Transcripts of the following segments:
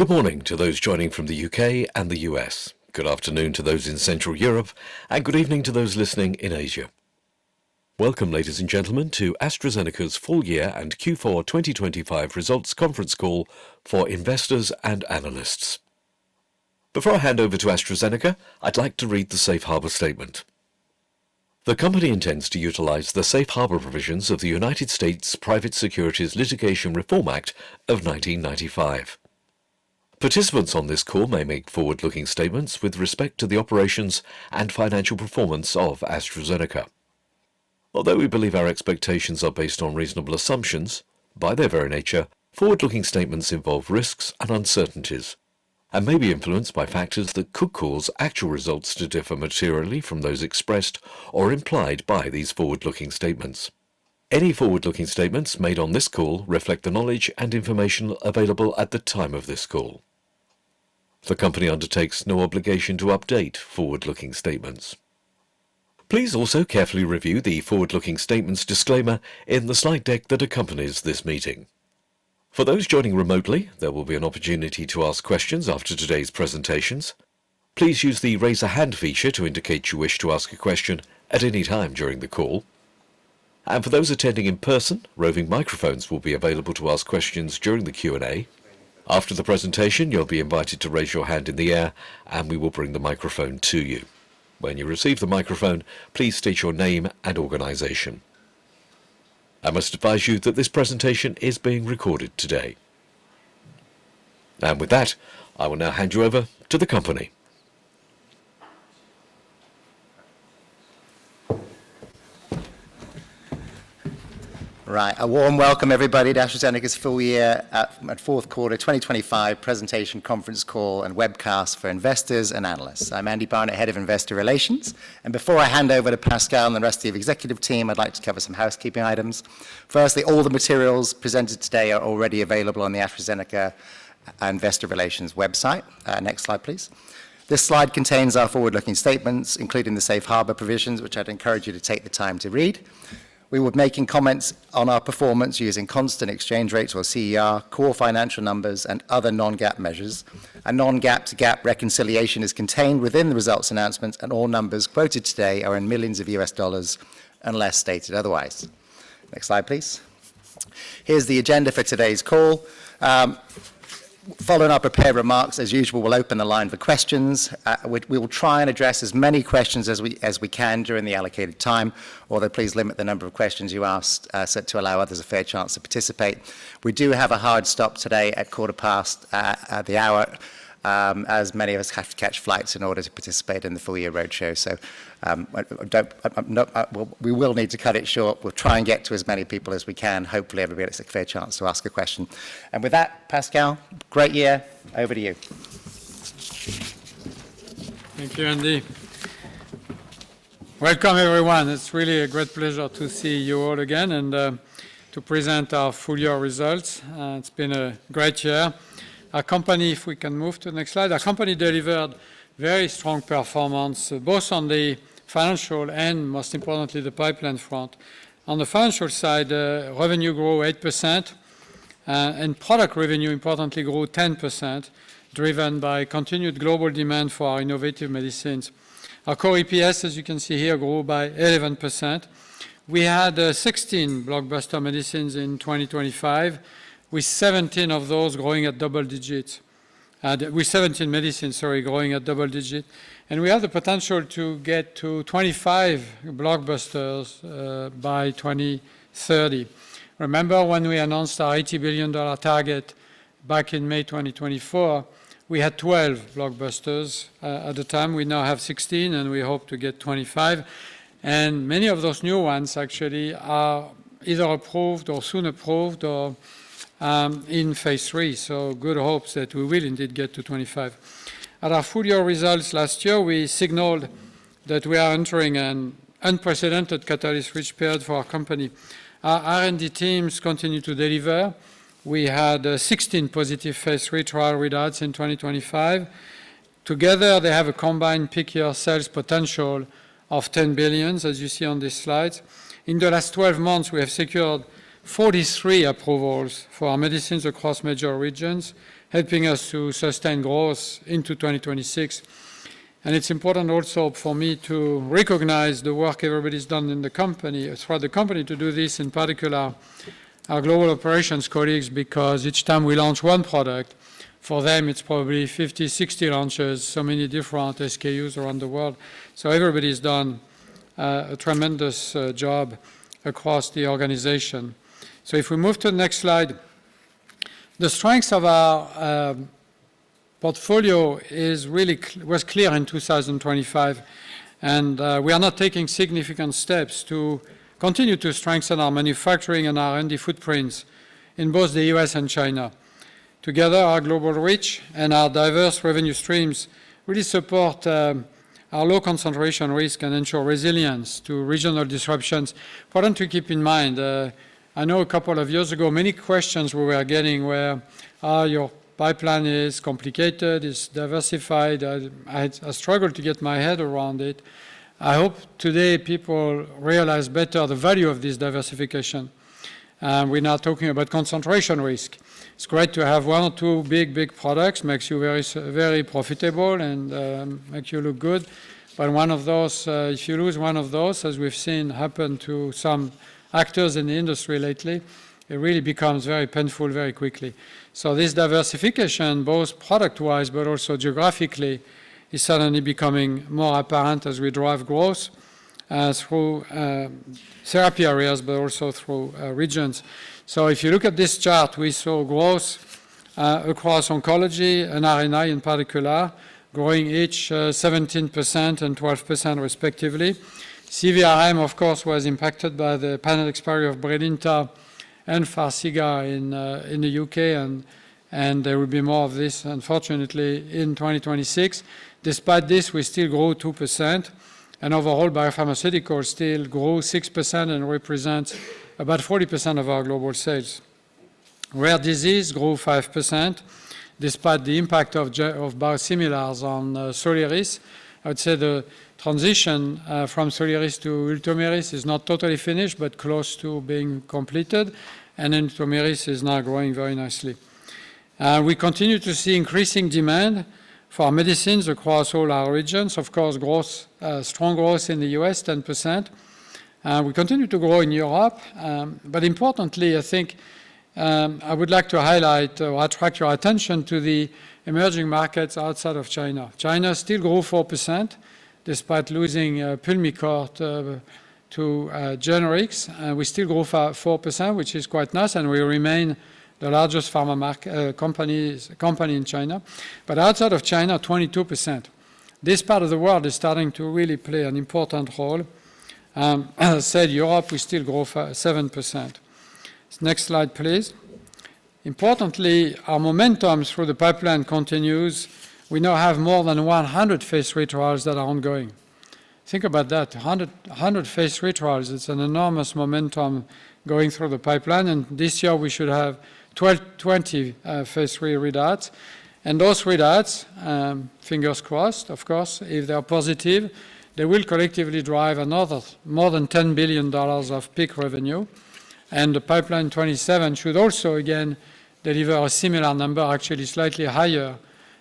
Good morning to those joining from the U.K. and the U.S. Good afternoon to those in Central Europe, and good evening to those listening in Asia. Welcome, ladies and gentlemen, to AstraZeneca's full-year and Q4 2025 results conference call for investors and analysts. Before I hand over to AstraZeneca, I'd like to read the Safe Harbor statement. The company intends to utilize the Safe Harbor provisions of the United States Private Securities Litigation Reform Act of 1995. Participants on this call may make forward-looking statements with respect to the operations and financial performance of AstraZeneca. Although we believe our expectations are based on reasonable assumptions, by their very nature, forward-looking statements involve risks and uncertainties and may be influenced by factors that could cause actual results to differ materially from those expressed or implied by these forward-looking statements. Any forward-looking statements made on this call reflect the knowledge and information available at the time of this call. The company undertakes no obligation to update forward-looking statements. Please also carefully review the forward-looking statements disclaimer in the slide deck that accompanies this meeting. For those joining remotely, there will be an opportunity to ask questions after today's presentations. Please use the raise-a-hand feature to indicate you wish to ask a question at any time during the call. And for those attending in person, roving microphones will be available to ask questions during the Q&A. After the presentation, you'll be invited to raise your hand in the air, and we will bring the microphone to you. When you receive the microphone, please state your name and organization. I must advise you that this presentation is being recorded today. With that, I will now hand you over to the company. Right. A warm welcome, everybody, to AstraZeneca's full-year and fourth quarter 2025 presentation conference call and webcast for investors and analysts. I'm Andy Barnett, head of investor relations. Before I hand over to Pascal and the rest of the executive team, I'd like to cover some housekeeping items. Firstly, all the materials presented today are already available on the AstraZeneca investor relations website. Next slide, please. This slide contains our forward-looking statements, including the Safe Harbor provisions, which I'd encourage you to take the time to read. We're making comments on our performance using constant exchange rates, or CER, core financial numbers, and other non-GAAP measures. Non-GAAP to GAAP reconciliation is contained within the results announcements, and all numbers quoted today are in millions of US dollars unless stated otherwise. Next slide, please. Here's the agenda for today's call. Following up a pair of remarks, as usual, we'll open the line for questions. We will try and address as many questions as we can during the allocated time, although please limit the number of questions you ask so to allow others a fair chance to participate. We do have a hard stop today at quarter past the hour, as many of us have to catch flights in order to participate in the full-year roadshow. So we will need to cut it short. We'll try and get to as many people as we can. Hopefully, everybody gets a fair chance to ask a question. And with that, Pascal, great year. Over to you. Thank you, Andy. Welcome, everyone. It's really a great pleasure to see you all again and to present our full-year results. It's been a great year. Our company, if we can move to the next slide, our company delivered very strong performance both on the financial and, most importantly, the pipeline front. On the financial side, revenue grew 8%, and product revenue, importantly, grew 10% driven by continued global demand for our innovative medicines. Our core EPS, as you can see here, grew by 11%. We had 16 blockbuster medicines in 2025, with 17 of those growing at double digits with 17 medicines, sorry, growing at double digits. And we have the potential to get to 25 blockbusters by 2030. Remember when we announced our $80 billion target back in May 2024? We had 12 blockbusters at the time. We now have 16, and we hope to get 25. Many of those new ones, actually, are either approved or soon approved or in phase III. So good hopes that we will indeed get to 25. At our full-year results last year, we signaled that we are entering an unprecedented catalyst-rich period for our company. Our R&D teams continue to deliver. We had 16 positive phase III trial readouts in 2025. Together, they have a combined peak-year sales potential of $10 billion, as you see on these slides. In the last 12 months, we have secured 43 approvals for our medicines across major regions, helping us to sustain growth into 2026. It's important also for me to recognize the work everybody's done in the company throughout the company to do this, in particular, our global operations colleagues, because each time we launch one product, for them, it's probably 50, 60 launches, so many different SKUs around the world. Everybody's done a tremendous job across the organization. If we move to the next slide, the strengths of our portfolio were clear in 2025, and we are now taking significant steps to continue to strengthen our manufacturing and R&D footprints in both the U.S. and China. Together, our global reach and our diverse revenue streams really support our low concentration risk and ensure resilience to regional disruptions. Important to keep in mind, I know a couple of years ago, many questions we were getting were, "Are your pipeline complicated? Is it diversified?" I struggled to get my head around it. I hope today people realize better the value of this diversification. We're now talking about concentration risk. It's great to have one or two big, big products. It makes you very, very profitable and makes you look good. But one of those if you lose one of those, as we've seen happen to some actors in the industry lately, it really becomes very painful very quickly. So this diversification, both product-wise but also geographically, is suddenly becoming more apparent as we drive growth through therapy areas but also through regions. So if you look at this chart, we saw growth across oncology and R&I in particular growing each 17% and 12%, respectively. CVRM, of course, was impacted by the patent expiry of Brilinta and Farxiga in the UK, and there will be more of this, unfortunately, in 2026. Despite this, we still grow 2%. And overall, BioPharmaceuticals still grow 6% and represent about 40% of our global sales. Rare Disease grew 5% despite the impact of biosimilars on Soliris. I would say the transition from Soliris to Ultomiris is not totally finished but close to being completed, and Ultomiris is now growing very nicely. We continue to see increasing demand for medicines across all our regions. Of course, strong growth in the U.S., 10%. We continue to grow in Europe. But importantly, I think I would like to highlight or attract your attention to the emerging markets outside of China. China still grew 4% despite losing Pulmicort to generics. We still grew 4%, which is quite nice, and we remain the largest pharma company in China. But outside of China, 22%. This part of the world is starting to really play an important role. As I said, Europe, we still grow 7%. Next slide, please. Importantly, our momentum through the pipeline continues. We now have more than 100 phase III trials that are ongoing. Think about that. 100 phase III trials. It's an enormous momentum going through the pipeline. This year, we should have 20 phase III readouts. Those readouts, fingers crossed, of course, if they are positive, they will collectively drive another more than $10 billion of peak revenue. The pipeline 2027 should also, again, deliver a similar number, actually slightly higher,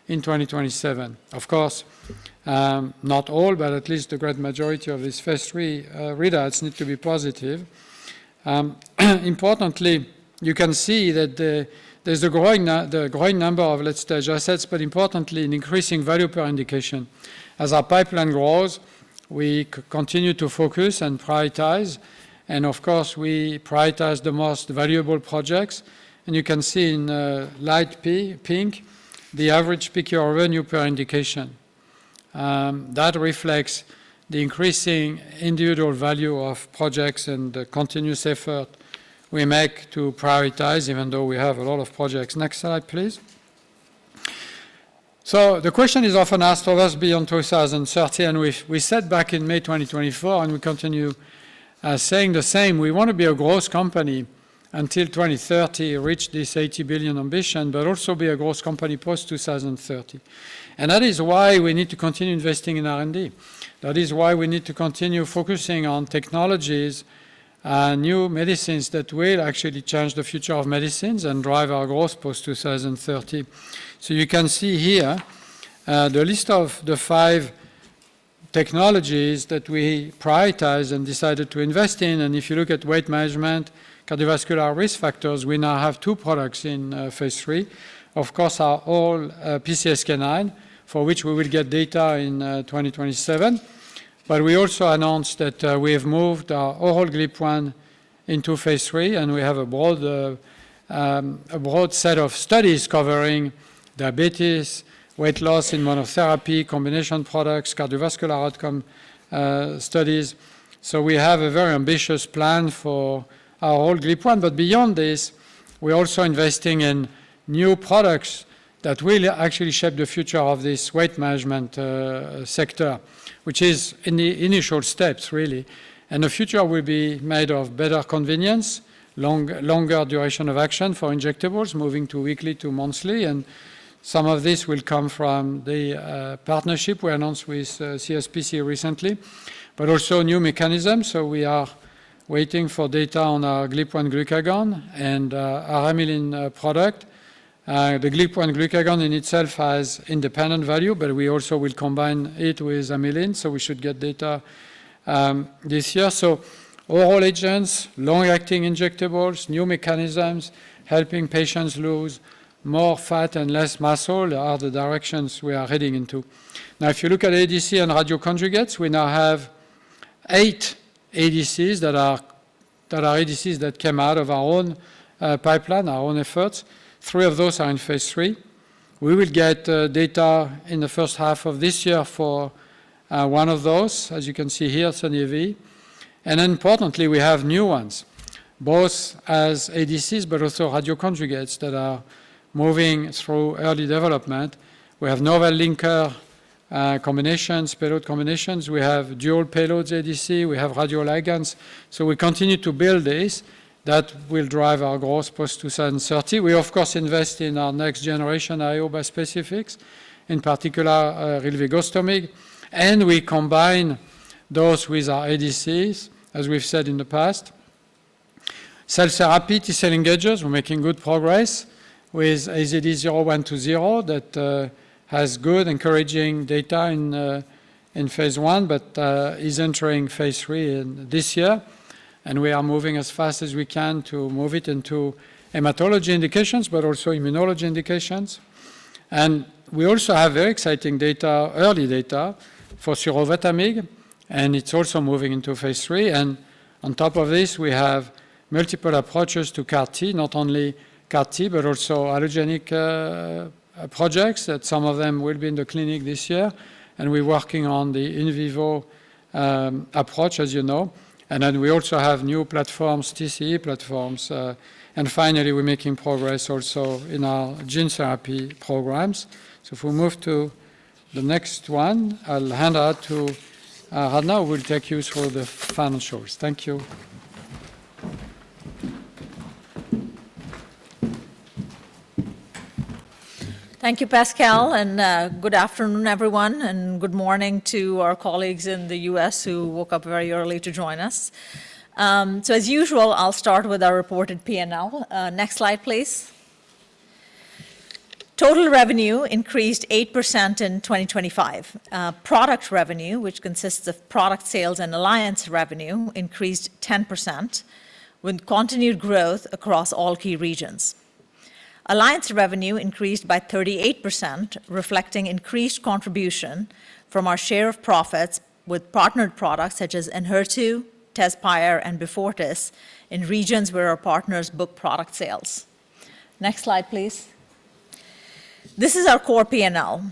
in 2027. Of course, not all, but at least the great majority of these phase III readouts need to be positive. Importantly, you can see that there's a growing number of, let's say, assets, but importantly, an increasing value per indication. As our pipeline grows, we continue to focus and prioritize. Of course, we prioritize the most valuable projects. You can see in light pink the average peak-year revenue per indication. That reflects the increasing individual value of projects and the continuous effort we make to prioritize, even though we have a lot of projects. Next slide, please. The question is often asked of us beyond 2030. We said back in May 2024, and we continue saying the same, we want to be a growth company until 2030, reach this $80 billion ambition, but also be a growth company post-2030. That is why we need to continue investing in R&D. That is why we need to continue focusing on technologies and new medicines that will actually change the future of medicines and drive our growth post-2030. You can see here the list of the five technologies that we prioritize and decided to invest in. If you look at weight management, cardiovascular risk factors, we now have two products in phase III. Of course, our oral PCSK9, for which we will get data in 2027. But we also announced that we have moved our oral GLP-1 into phase III, and we have a broad set of studies covering diabetes, weight loss in monotherapy, combination products, cardiovascular outcome studies. So we have a very ambitious plan for our oral GLP-1. But beyond this, we're also investing in new products that will actually shape the future of this weight management sector, which is in the initial steps, really. And the future will be made of better convenience, longer duration of action for injectables, moving to weekly to monthly. And some of this will come from the partnership we announced with CSPC recently, but also new mechanisms. So we are waiting for data on our GLP-1 glucagon and our amylin product. The GLP-1 glucagon in itself has independent value, but we also will combine it with amylin. So we should get data this year. So oral agents, long-acting injectables, new mechanisms helping patients lose more fat and less muscle are the directions we are heading into. Now, if you look at ADC and radioconjugates, we now have 8 ADCs that are ADCs that came out of our own pipeline, our own efforts. 3 of those are in phase III. We will get data in the first half of this year for one of those, as you can see here, Sunil Verma. And importantly, we have new ones, both as ADCs but also radioconjugates that are moving through early development. We have novel linker combinations, payload combinations. We have dual payloads ADC. We have radioligands. So we continue to build this that will drive our growth post-2030. We, of course, invest in our next-generation IO bispecifics, in particular, rilvegostomig. We combine those with our ADCs, as we've said in the past. Cell therapy, T-cell engagers. We're making good progress with AZD0120 that has good encouraging data in phase I but is entering phase III this year. We are moving as fast as we can to move it into hematology indications but also immunology indications. We also have very exciting data, early data, for Volrustomig. It's also moving into phase III. On top of this, we have multiple approaches to CAR-T, not only CAR-T but also allogeneic projects. Some of them will be in the clinic this year. We're working on the in vivo approach, as you know. Then we also have new platforms, TCE platforms. Finally, we're making progress also in our gene therapy programs. So if we move to the next one, I'll hand over to Aradhana. We'll take you through the final slides. Thank you. Thank you, Pascal. Good afternoon, everyone. Good morning to our colleagues in the U.S. who woke up very early to join us. As usual, I'll start with our reported P&L. Next slide, please. Total revenue increased 8% in 2025. Product revenue, which consists of product sales and alliance revenue, increased 10% with continued growth across all key regions. Alliance revenue increased by 38%, reflecting increased contribution from our share of profits with partnered products such as Enhertu, Tezspire, and Beyfortus in regions where our partners book product sales. Next slide, please. This is our core P&L.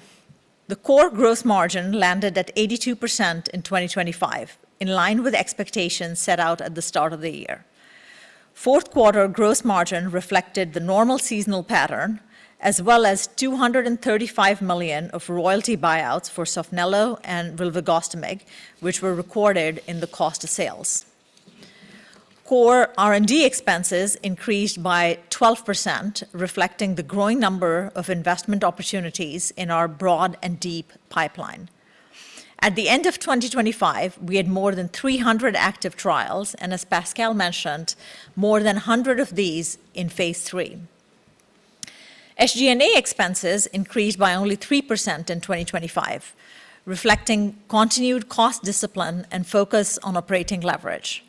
The core gross margin landed at 82% in 2025, in line with expectations set out at the start of the year. Fourth-quarter gross margin reflected the normal seasonal pattern as well as $235 million of royalty buyouts for Sotyktu and rilvegostomig, which were recorded in the cost of sales. Core R&D expenses increased by 12%, reflecting the growing number of investment opportunities in our broad and deep pipeline. At the end of 2025, we had more than 300 active trials. And as Pascal mentioned, more than 100 of these in phase III. SG&A expenses increased by only 3% in 2025, reflecting continued cost discipline and focus on operating leverage.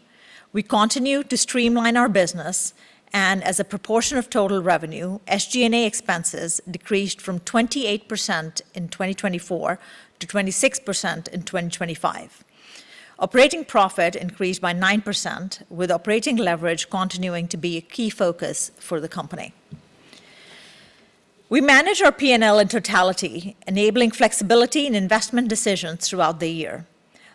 We continue to streamline our business. And as a proportion of total revenue, SG&A expenses decreased from 28% in 2024 to 26% in 2025. Operating profit increased by 9%, with operating leverage continuing to be a key focus for the company. We manage our P&L in totality, enabling flexibility in investment decisions throughout the year.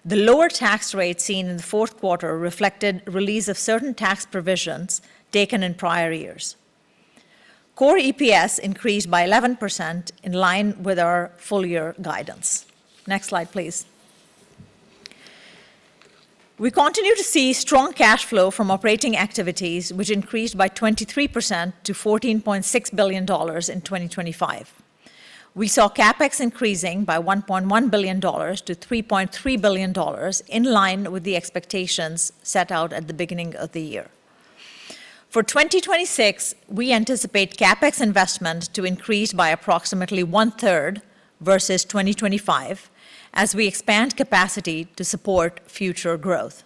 The lower tax rate seen in the fourth quarter reflected release of certain tax provisions taken in prior years. Core EPS increased by 11% in line with our full-year guidance. Next slide, please. We continue to see strong cash flow from operating activities, which increased by 23% to $14.6 billion in 2025. We saw CapEx increasing by $1.1 billion to $3.3 billion, in line with the expectations set out at the beginning of the year. For 2026, we anticipate CapEx investment to increase by approximately 1/3 versus 2025 as we expand capacity to support future growth.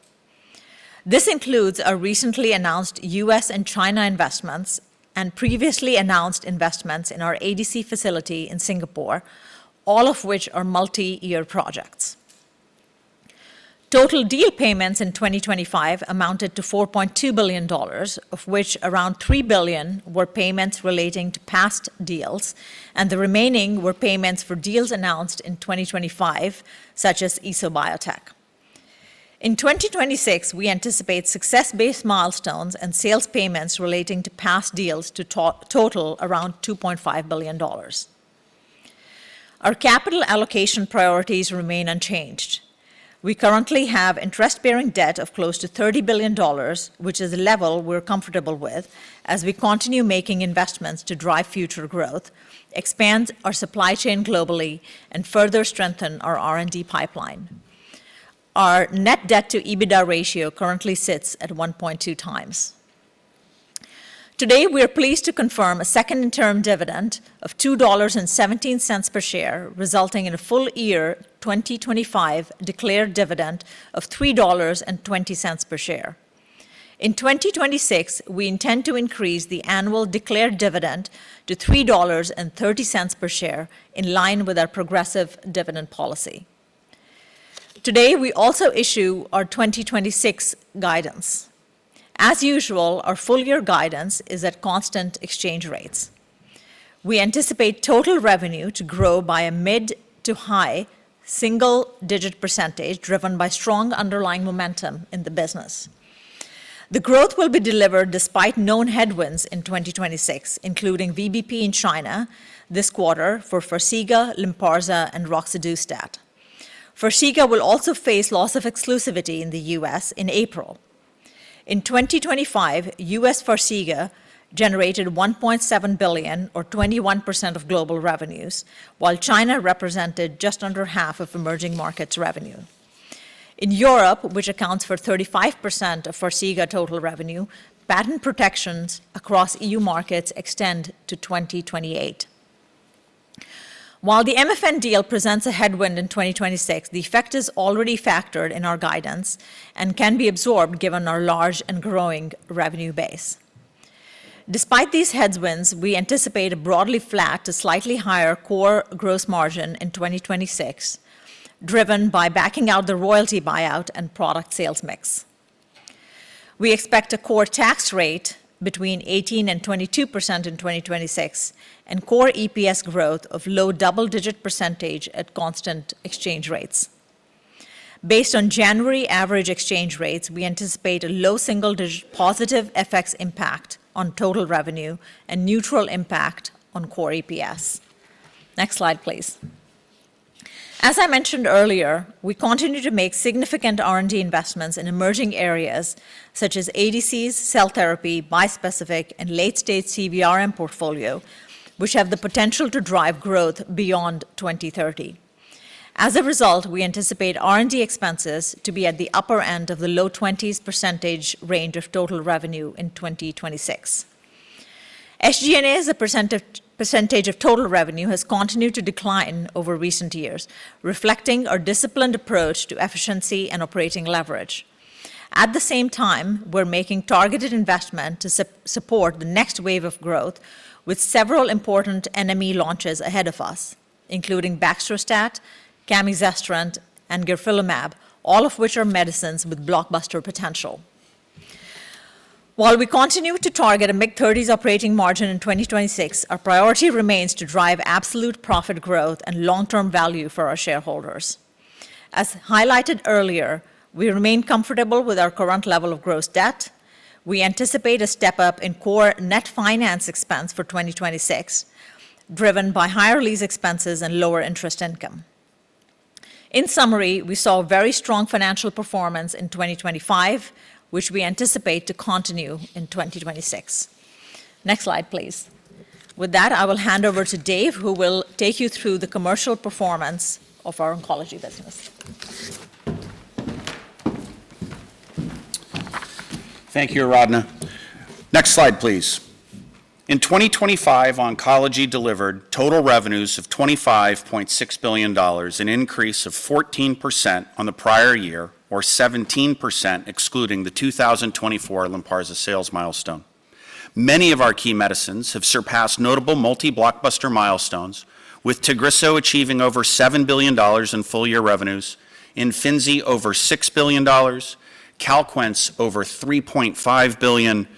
This includes our recently announced U.S. and China investments and previously announced investments in our ADC facility in Singapore, all of which are multi-year projects. Total deal payments in 2025 amounted to $4.2 billion, of which around $3 billion were payments relating to past deals. The remaining were payments for deals announced in 2025, such as ESO Biotec. In 2026, we anticipate success-based milestones and sales payments relating to past deals to total around $2.5 billion. Our capital allocation priorities remain unchanged. We currently have interest-bearing debt of close to $30 billion, which is a level we're comfortable with as we continue making investments to drive future growth, expand our supply chain globally, and further strengthen our R&D pipeline. Our net debt-to-EBITDA ratio currently sits at 1.2x. Today, we are pleased to confirm a second interim dividend of $2.17 per share, resulting in a full-year 2025 declared dividend of $3.20 per share. In 2026, we intend to increase the annual declared dividend to $3.30 per share, in line with our progressive dividend policy. Today, we also issue our 2026 guidance. As usual, our full-year guidance is at constant exchange rates. We anticipate total revenue to grow by a mid- to high-single-digit %, driven by strong underlying momentum in the business. The growth will be delivered despite known headwinds in 2026, including VBP in China this quarter for Farxiga, Lynparza, and Roxadustat. Farxiga will also face loss of exclusivity in the US in April. In 2025, US Farxiga generated $1.7 billion, or 21% of global revenues, while China represented just under half of emerging markets revenue. In Europe, which accounts for 35% of Farxiga total revenue, patent protections across EU markets extend to 2028. While the MFN deal presents a headwind in 2026, the effect is already factored in our guidance and can be absorbed given our large and growing revenue base. Despite these headwinds, we anticipate a broadly flat to slightly higher core gross margin in 2026, driven by backing out the royalty buyout and product sales mix. We expect a core tax rate between 18%-22% in 2026 and core EPS growth of low double-digit percentage at constant exchange rates. Based on January average exchange rates, we anticipate a low single-digit positive FX impact on total revenue and neutral impact on core EPS. Next slide, please. As I mentioned earlier, we continue to make significant R&D investments in emerging areas such as ADCs, cell therapy, bispecific, and late-stage CVRM portfolio, which have the potential to drive growth beyond 2030. As a result, we anticipate R&D expenses to be at the upper end of the low 20s% range of total revenue in 2026. SG&A's percentage of total revenue has continued to decline over recent years, reflecting our disciplined approach to efficiency and operating leverage. At the same time, we're making targeted investment to support the next wave of growth with several important NME launches ahead of us, including Baxdrostat, Camizestrant, and Garadacimab, all of which are medicines with blockbuster potential. While we continue to target a mid-30s operating margin in 2026, our priority remains to drive absolute profit growth and long-term value for our shareholders. As highlighted earlier, we remain comfortable with our current level of gross debt. We anticipate a step-up in core net finance expense for 2026, driven by higher lease expenses and lower interest income. In summary, we saw very strong financial performance in 2025, which we anticipate to continue in 2026. Next slide, please. With that, I will hand over to Dave, who will take you through the commercial performance of our oncology business. Thank you, Aradhana. Next slide, please. In 2025, oncology delivered total revenues of $25.6 billion, an increase of 14% on the prior year, or 17% excluding the 2024 Lynparza sales milestone. Many of our key medicines have surpassed notable multi-blockbuster milestones, with Tagrisso achieving over $7 billion in full-year revenues, Imfinzi over $6 billion, Calquence over $3.5 billion,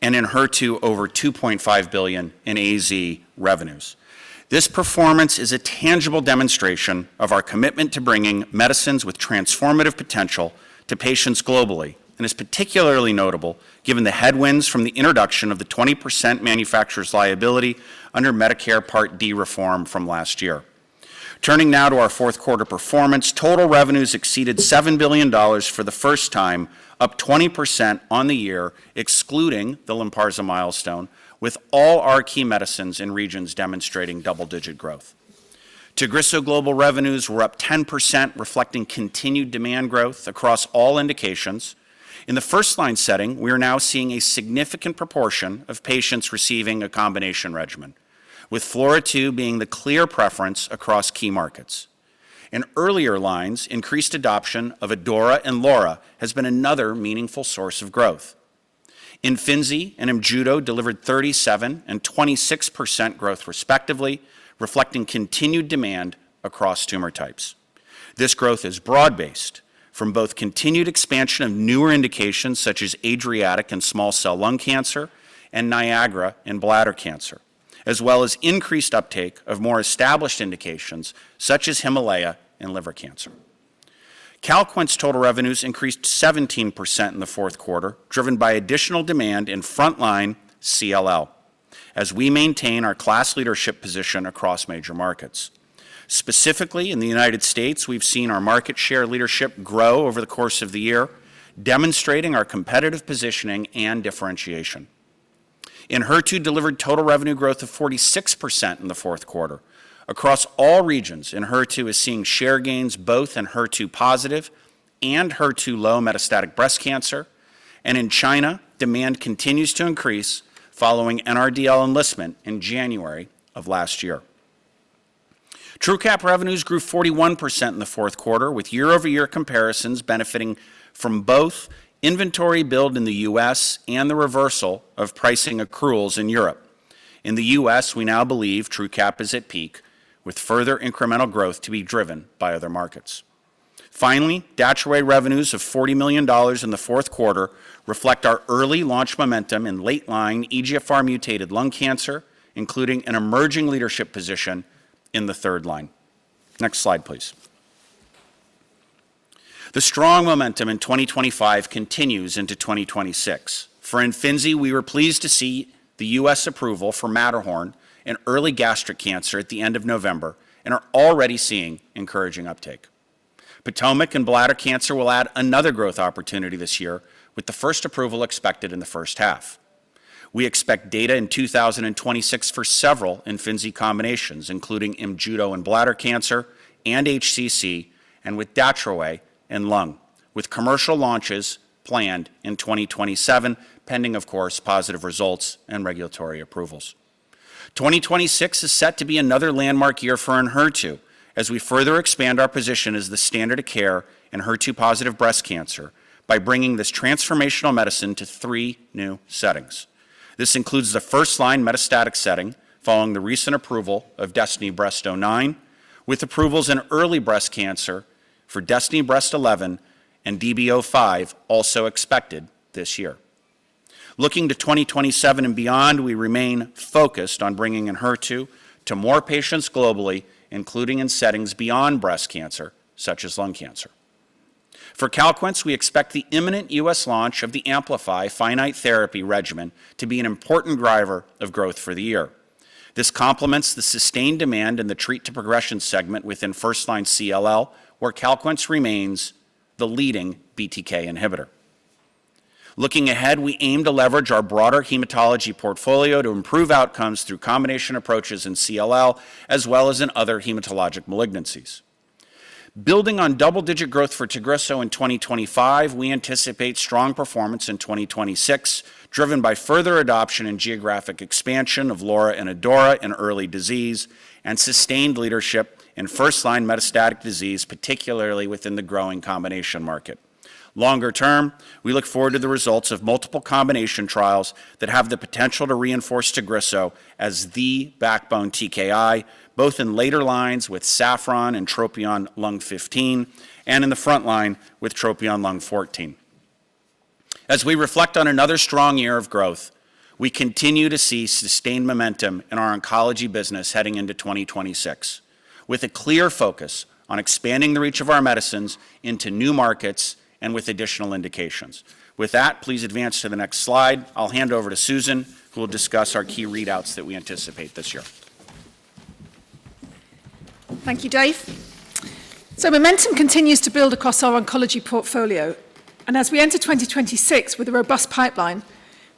and Enhertu over $2.5 billion in AZ revenues. This performance is a tangible demonstration of our commitment to bringing medicines with transformative potential to patients globally and is particularly notable given the headwinds from the introduction of the 20% manufacturer's liability under Medicare Part D reform from last year. Turning now to our fourth-quarter performance, total revenues exceeded $7 billion for the first time, up 20% on the year excluding the Lynparza milestone, with all our key medicines in regions demonstrating double-digit growth. Tagrisso global revenues were up 10%, reflecting continued demand growth across all indications. In the first-line setting, we are now seeing a significant proportion of patients receiving a combination regimen, with FLAURA2 being the clear preference across key markets. In earlier lines, increased adoption of ADAURA and LAURA has been another meaningful source of growth. Imfinzi and Imjudo delivered 37% and 26% growth respectively, reflecting continued demand across tumor types. This growth is broad-based from both continued expansion of newer indications such as ADRIATIC and small-cell lung cancer and NIAGARA and bladder cancer, as well as increased uptake of more established indications such as HIMALAYA and liver cancer. Calquence total revenues increased 17% in the fourth quarter, driven by additional demand in frontline CLL as we maintain our class leadership position across major markets. Specifically, in the United States, we've seen our market share leadership grow over the course of the year, demonstrating our competitive positioning and differentiation. Enhertu delivered total revenue growth of 46% in the fourth quarter. Across all regions, Enhertu is seeing share gains both in HER2 positive and HER2 low metastatic breast cancer. And in China, demand continues to increase following NRDL enlistment in January of last year. Truqap revenues grew 41% in the fourth quarter, with year-over-year comparisons benefiting from both inventory build in the U.S. and the reversal of pricing accruals in Europe. In the U.S., we now believe Truqap is at peak, with further incremental growth to be driven by other markets. Finally, Datopotamab revenues of $40 million in the fourth quarter reflect our early launch momentum in late-line EGFR-mutated lung cancer, including an emerging leadership position in the third line. Next slide, please. The strong momentum in 2025 continues into 2026. For Imfinzi, we were pleased to see the U.S. approval for Matterhorn in early gastric cancer at the end of November and are already seeing encouraging uptake. Potomac and bladder cancer will add another growth opportunity this year, with the first approval expected in the first half. We expect data in 2026 for several Imfinzi combinations, including Imjudo in bladder cancer and HCC, and with DATUAY in lung, with commercial launches planned in 2027, pending, of course, positive results and regulatory approvals. 2026 is set to be another landmark year for Enhertu as we further expand our position as the standard of care in HER2-positive breast cancer by bringing this transformational medicine to three new settings. This includes the first-line metastatic setting following the recent approval of DESTINY-Breast09, with approvals in early breast cancer for DESTINY-Breast11 and DESTINY-Breast05 also expected this year. Looking to 2027 and beyond, we remain focused on bringing Enhertu to more patients globally, including in settings beyond breast cancer such as lung cancer. For Calquence, we expect the imminent U.S. launch of the AMPLIFY finite therapy regimen to be an important driver of growth for the year. This complements the sustained demand in the treat-to-progression segment within first-line CLL, where Calquence remains the leading BTK inhibitor. Looking ahead, we aim to leverage our broader hematology portfolio to improve outcomes through combination approaches in CLL as well as in other hematologic malignancies. Building on double-digit growth for Tagrisso in 2025, we anticipate strong performance in 2026, driven by further adoption and geographic expansion of LAURA and ADAURA in early disease and sustained leadership in first-line metastatic disease, particularly within the growing combination market. Longer term, we look forward to the results of multiple combination trials that have the potential to reinforce Tagrisso as the backbone TKI, both in later lines with SAFFRON and Tropion Lung 15 and in the front line with Tropion Lung 14. As we reflect on another strong year of growth, we continue to see sustained momentum in our oncology business heading into 2026, with a clear focus on expanding the reach of our medicines into new markets and with additional indications. With that, please advance to the next slide. I'll hand over to Susan, who will discuss our key readouts that we anticipate this year. Thank you, Dave. Momentum continues to build across our oncology portfolio. As we enter 2026 with a robust pipeline,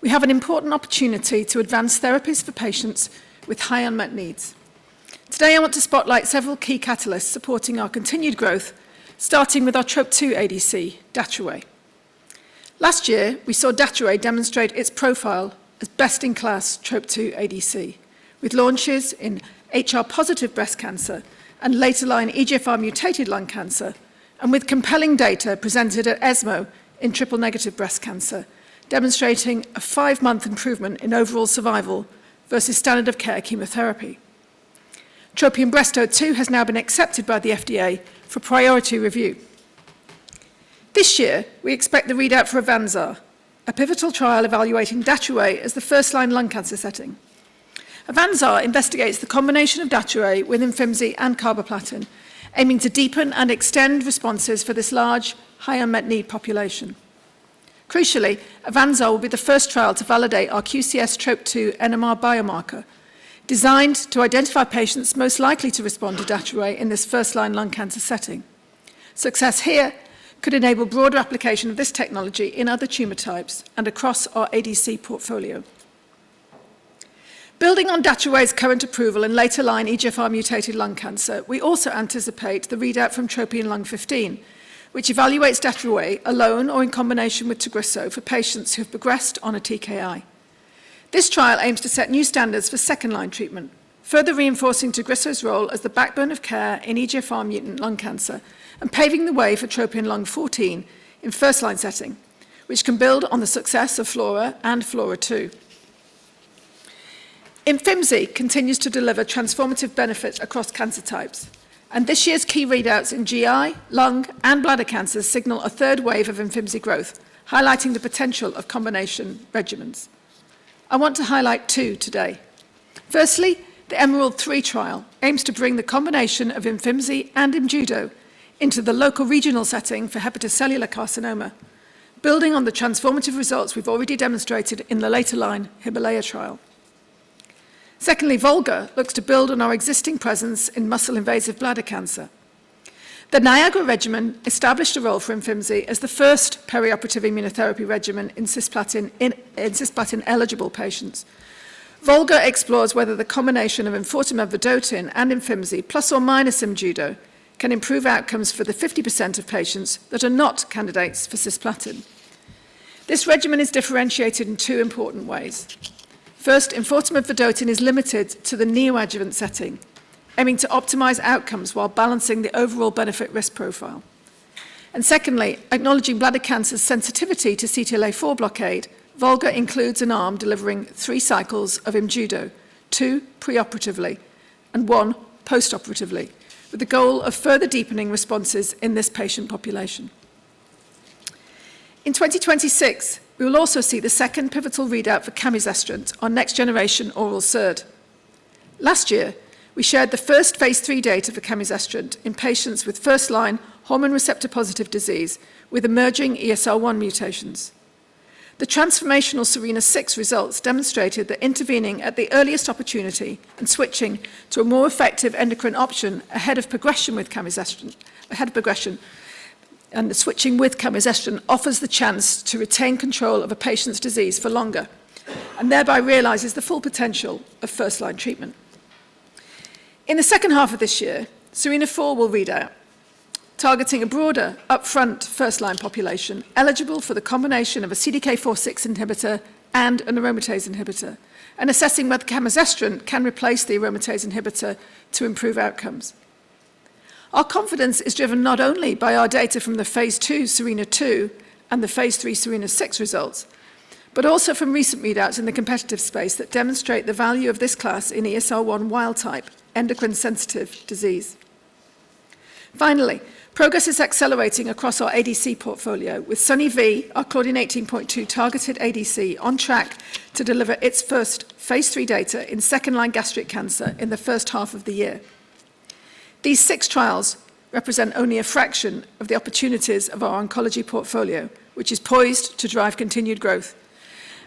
we have an important opportunity to advance therapies for patients with high unmet needs. Today, I want to spotlight several key catalysts supporting our continued growth, starting with our TROP2 ADC, datopotamab deruxtecan. Last year, we saw datopotamab deruxtecan demonstrate its profile as best-in-class TROP2 ADC, with launches in HR-positive breast cancer and later-line EGFR-mutated lung cancer, and with compelling data presented at ESMO in triple-negative breast cancer, demonstrating a 5-month improvement in overall survival versus standard-of-care chemotherapy. TROPION-Breast02 has now been accepted by the FDA for priority review. This year, we expect the readout for AVANZAR, a pivotal trial evaluating datopotamab deruxtecan as the first-line lung cancer setting. AVANSA investigates the combination of datopotamab deruxtecan with Imfinzi and carboplatin, aiming to deepen and extend responses for this large, high-unmet-need population. Crucially, AVANSA will be the first trial to validate our TROP2 ctDNA biomarker, designed to identify patients most likely to respond to datopotamab deruxtecan in this first-line lung cancer setting. Success here could enable broader application of this technology in other tumor types and across our ADC portfolio. Building on datopotamab deruxtecan's current approval in later-line EGFR-mutated lung cancer, we also anticipate the readout from TROPION-Lung15, which evaluates datopotamab deruxtecan alone or in combination with Tagrisso for patients who have progressed on a TKI. This trial aims to set new standards for second-line treatment, further reinforcing Tagrisso's role as the backbone of care in EGFR-mutant lung cancer and paving the way for TROPION-Lung14 in first-line setting, which can build on the success of FLAURA and FLAURA2. Imfinzi continues to deliver transformative benefits across cancer types. This year's key readouts in GI, lung, and bladder cancer signal a third wave of Imfinzi growth, highlighting the potential of combination regimens. I want to highlight two today. Firstly, the EMERALD-3 trial aims to bring the combination of Imfinzi and Imjudo into the local regional setting for hepatocellular carcinoma, building on the transformative results we've already demonstrated in the later-line HIMALAYA trial. Secondly, VOLGA looks to build on our existing presence in muscle-invasive bladder cancer. The NIAGARA regimen established a role for Imfinzi as the first perioperative immunotherapy regimen in cisplatin-eligible patients. VOLGA explores whether the combination of enfortumab vedotin and Imfinzi, plus or minus Imjudo, can improve outcomes for the 50% of patients that are not candidates for cisplatin. This regimen is differentiated in two important ways. First, enfortumab vedotin is limited to the neoadjuvant setting, aiming to optimize outcomes while balancing the overall benefit-risk profile. And secondly, acknowledging bladder cancer's sensitivity to CTLA4 blockade, VOLGA includes an arm delivering three cycles of Imjudo, two preoperatively and one postoperatively, with the goal of further deepening responses in this patient population. In 2026, we will also see the second pivotal readout for camizestrant on next-generation oral SERD. Last year, we shared the first phase III data for camizestrant in patients with first-line hormone receptor positive disease with emerging ESR1 mutations. The transformational SERENA-6 results demonstrated that intervening at the earliest opportunity and switching to a more effective endocrine option ahead of progression with camizestrant and switching with camizestrant offers the chance to retain control of a patient's disease for longer and thereby realizes the full potential of first-line treatment. In the second half of this year, SERENA-4 will read out, targeting a broader, upfront first-line population eligible for the combination of a CDK4/6 inhibitor and an aromatase inhibitor, and assessing whether camizestrant can replace the aromatase inhibitor to improve outcomes. Our confidence is driven not only by our data from the phase II SERENA-2 and the phase III SERENA-6 results, but also from recent readouts in the competitive space that demonstrate the value of this class in ESR1 wild-type endocrine-sensitive disease. Finally, progress is accelerating across our ADC portfolio, with CMG901, our claudin 18.2 targeted ADC, on track to deliver its first phase III data in second-line gastric cancer in the first half of the year. These six trials represent only a fraction of the opportunities of our oncology portfolio, which is poised to drive continued growth.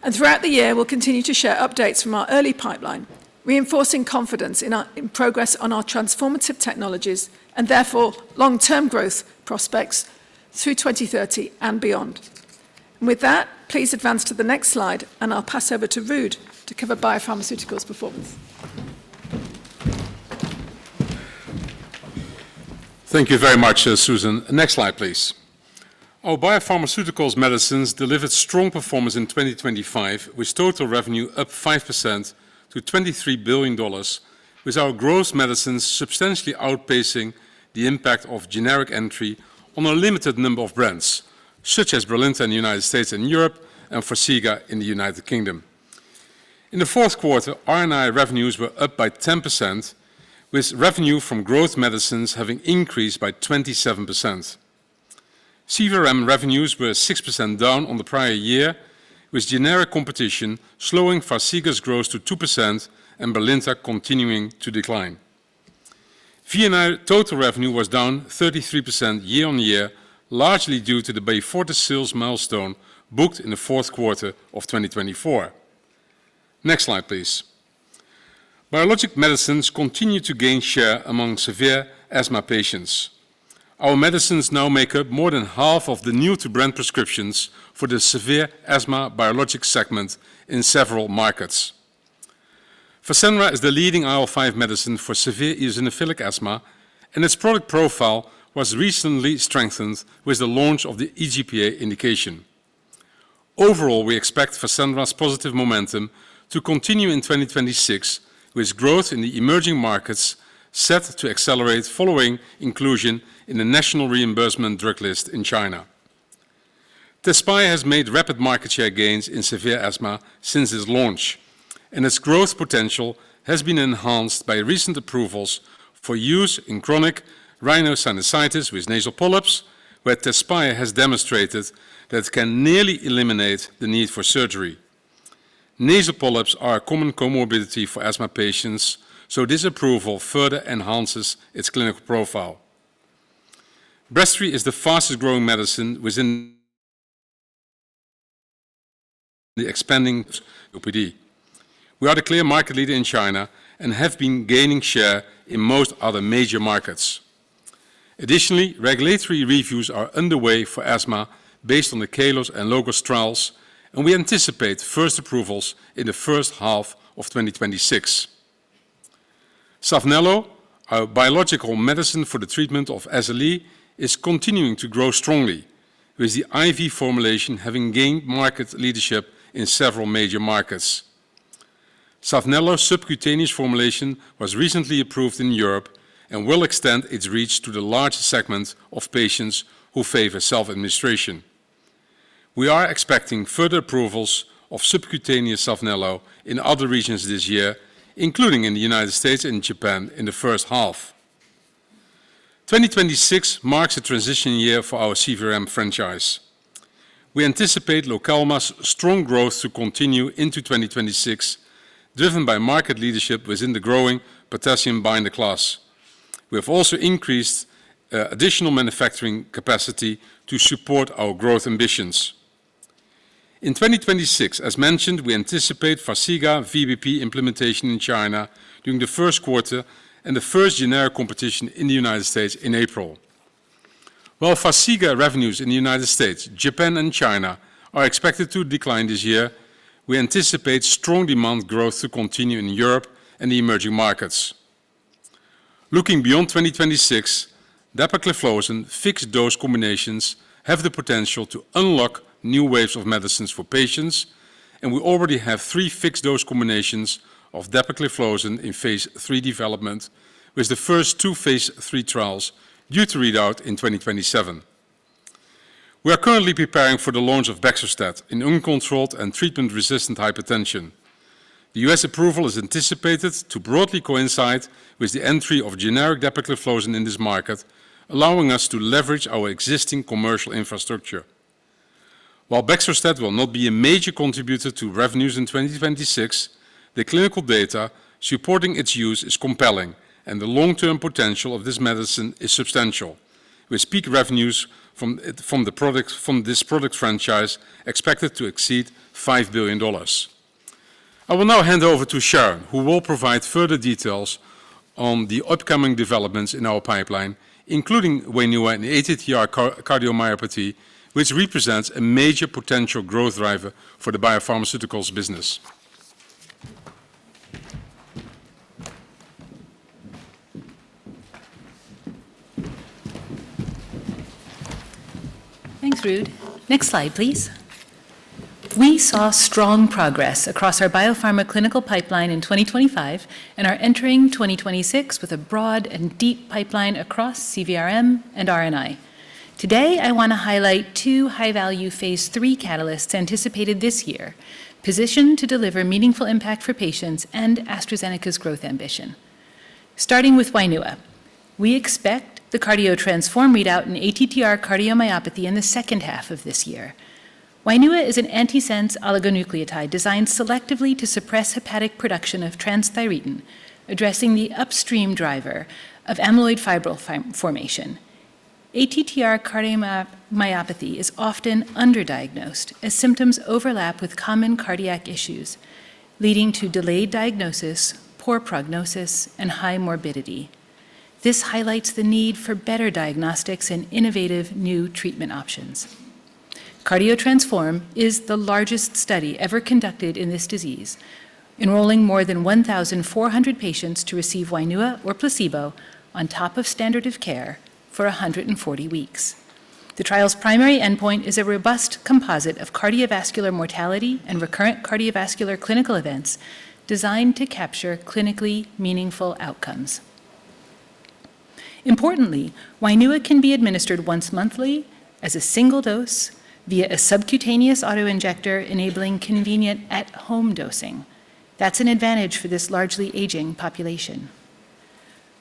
And throughout the year, we'll continue to share updates from our early pipeline, reinforcing confidence in progress on our transformative technologies and therefore long-term growth prospects through 2030 and beyond. And with that, please advance to the next slide, and I'll pass over to Ruud to cover Biopharmaceuticals' performance. Thank you very much, Susan. Next slide, please. Our Biopharmaceuticals' medicines delivered strong performance in 2025, with total revenue up +5% to $23 billion, with our growth medicines substantially outpacing the impact of generic entry on a limited number of brands, such as Brilinta in the United States and Europe, and Farxiga in the United Kingdom. In the fourth quarter, R&I revenues were up by +10%, with revenue from growth medicines having increased by +27%. CVRM revenues were -6% down on the prior year, with generic competition slowing Farxiga's growth to +2% and Brilinta continuing to decline. V&I total revenue was down -33% year-on-year, largely due to the Beyfortus sales milestone booked in the fourth quarter of 2024. Next slide, please. Biologic medicines continue to gain share among severe asthma patients. Our medicines now make up more than half of the new-to-brand prescriptions for the severe asthma biologic segment in several markets. Fasenra is the leading IL-5 medicine for severe eosinophilic asthma, and its product profile was recently strengthened with the launch of the EGPA indication. Overall, we expect Fasenra's positive momentum to continue in 2026, with growth in the emerging markets set to accelerate following inclusion in the national reimbursement drug list in China. Tezspire has made rapid market share gains in severe asthma since its launch, and its growth potential has been enhanced by recent approvals for use in chronic rhinosinusitis with nasal polyps, where Tezspire has demonstrated that it can nearly eliminate the need for surgery. Nasal polyps are a common comorbidity for asthma patients, so this approval further enhances its clinical profile. Breztri is the fastest-growing medicine within the expanding COPD. We are the clear market leader in China and have been gaining share in most other major markets. Additionally, regulatory reviews are underway for asthma based on the KALOS and LOGOS trials, and we anticipate first approvals in the first half of 2026. Saphnelo, our biological medicine for the treatment of SLE, is continuing to grow strongly, with the IV formulation having gained market leadership in several major markets. Saphnelo's subcutaneous formulation was recently approved in Europe and will extend its reach to the larger segment of patients who favor self-administration. We are expecting further approvals of subcutaneous Saphnelo in other regions this year, including in the United States and Japan in the first half. 2026 marks a transition year for our CVRM franchise. We anticipate Lokelma's strong growth to continue into 2026, driven by market leadership within the growing potassium binder class. We have also increased additional manufacturing capacity to support our growth ambitions. In 2026, as mentioned, we anticipate Farxiga VBP implementation in China during the first quarter and the first generic competition in the United States in April. While Farxiga revenues in the United States, Japan, and China are expected to decline this year, we anticipate strong demand growth to continue in Europe and the emerging markets. Looking beyond 2026, dapagliflozin fixed-dose combinations have the potential to unlock new waves of medicines for patients, and we already have three fixed-dose combinations of dapagliflozin in phase III development, with the first two phase III trials due to readout in 2027. We are currently preparing for the launch of Bexostat in uncontrolled and treatment-resistant hypertension. The U.S. approval is anticipated to broadly coincide with the entry of generic dapagliflozin in this market, allowing us to leverage our existing commercial infrastructure. While Bexostat will not be a major contributor to revenues in 2026, the clinical data supporting its use is compelling, and the long-term potential of this medicine is substantial, with peak revenues from this product franchise expected to exceed $5 billion. I will now hand over to Sharon, who will provide further details on the upcoming developments in our pipeline, including Wainua and ATTR cardiomyopathy, which represents a major potential growth driver for the biopharmaceuticals business. Thanks, Ruud. Next slide, please. We saw strong progress across our biopharma clinical pipeline in 2025 and are entering 2026 with a broad and deep pipeline across CVRM and R&I. Today, I want to highlight two high-value phase III catalysts anticipated this year, positioned to deliver meaningful impact for patients and AstraZeneca's growth ambition. Starting with Wainua, we expect the CARDIO-TTRansform readout in ATTR cardiomyopathy in the second half of this year. Wainua is an antisense oligonucleotide designed selectively to suppress hepatic production of transthyretin, addressing the upstream driver of amyloid fibril formation. ATTR cardiomyopathy is often underdiagnosed as symptoms overlap with common cardiac issues, leading to delayed diagnosis, poor prognosis, and high morbidity. This highlights the need for better diagnostics and innovative new treatment options. Cardiotransform is the largest study ever conducted in this disease, enrolling more than 1,400 patients to receive Wainua or placebo on top of standard of care for 140 weeks. The trial's primary endpoint is a robust composite of cardiovascular mortality and recurrent cardiovascular clinical events designed to capture clinically meaningful outcomes. Importantly, Wainua can be administered once monthly as a single dose via a subcutaneous autoinjector, enabling convenient at-home dosing. That's an advantage for this largely aging population.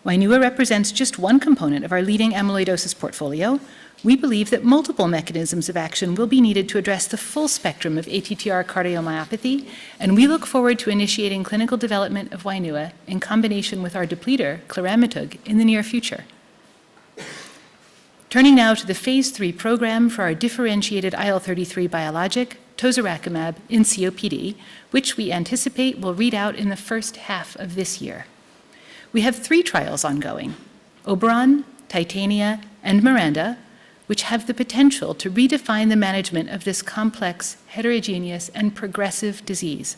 Wainua represents just one component of our leading amyloidosis portfolio. We believe that multiple mechanisms of action will be needed to address the full spectrum of ATTR cardiomyopathy, and we look forward to initiating clinical development of Wainua in combination with our depleter, Coramitug, in the near future. Turning now to the phase III program for our differentiated IL-33 biologic, Tozorakimab in COPD, which we anticipate will read out in the first half of this year. We have three trials ongoing: Oberon, Titania, and Miranda, which have the potential to redefine the management of this complex, heterogeneous, and progressive disease.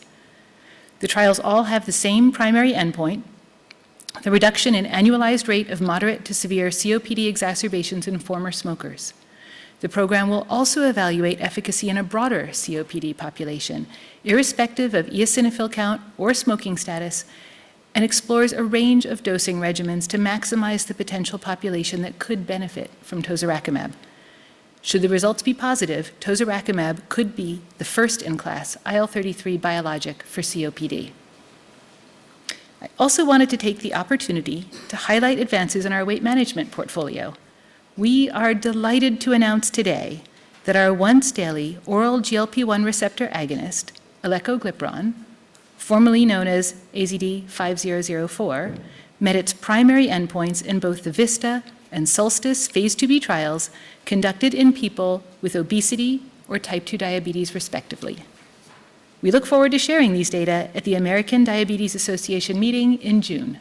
The trials all have the same primary endpoint: the reduction in annualized rate of moderate to severe COPD exacerbations in former smokers. The program will also evaluate efficacy in a broader COPD population, irrespective of eosinophil count or smoking status, and explores a range of dosing regimens to maximize the potential population that could benefit from Tozorakimab. Should the results be positive, Tozorakimab could be the first-in-class IL-33 biologic for COPD. I also wanted to take the opportunity to highlight advances in our weight management portfolio. We are delighted to announce today that our once-daily oral GLP-1 receptor agonist, Eccoglipron, formerly known as AZD 5004, met its primary endpoints in both the VISTA and SOLSTICE phase IIb trials conducted in people with obesity or type 2 diabetes, respectively. We look forward to sharing these data at the American Diabetes Association meeting in June.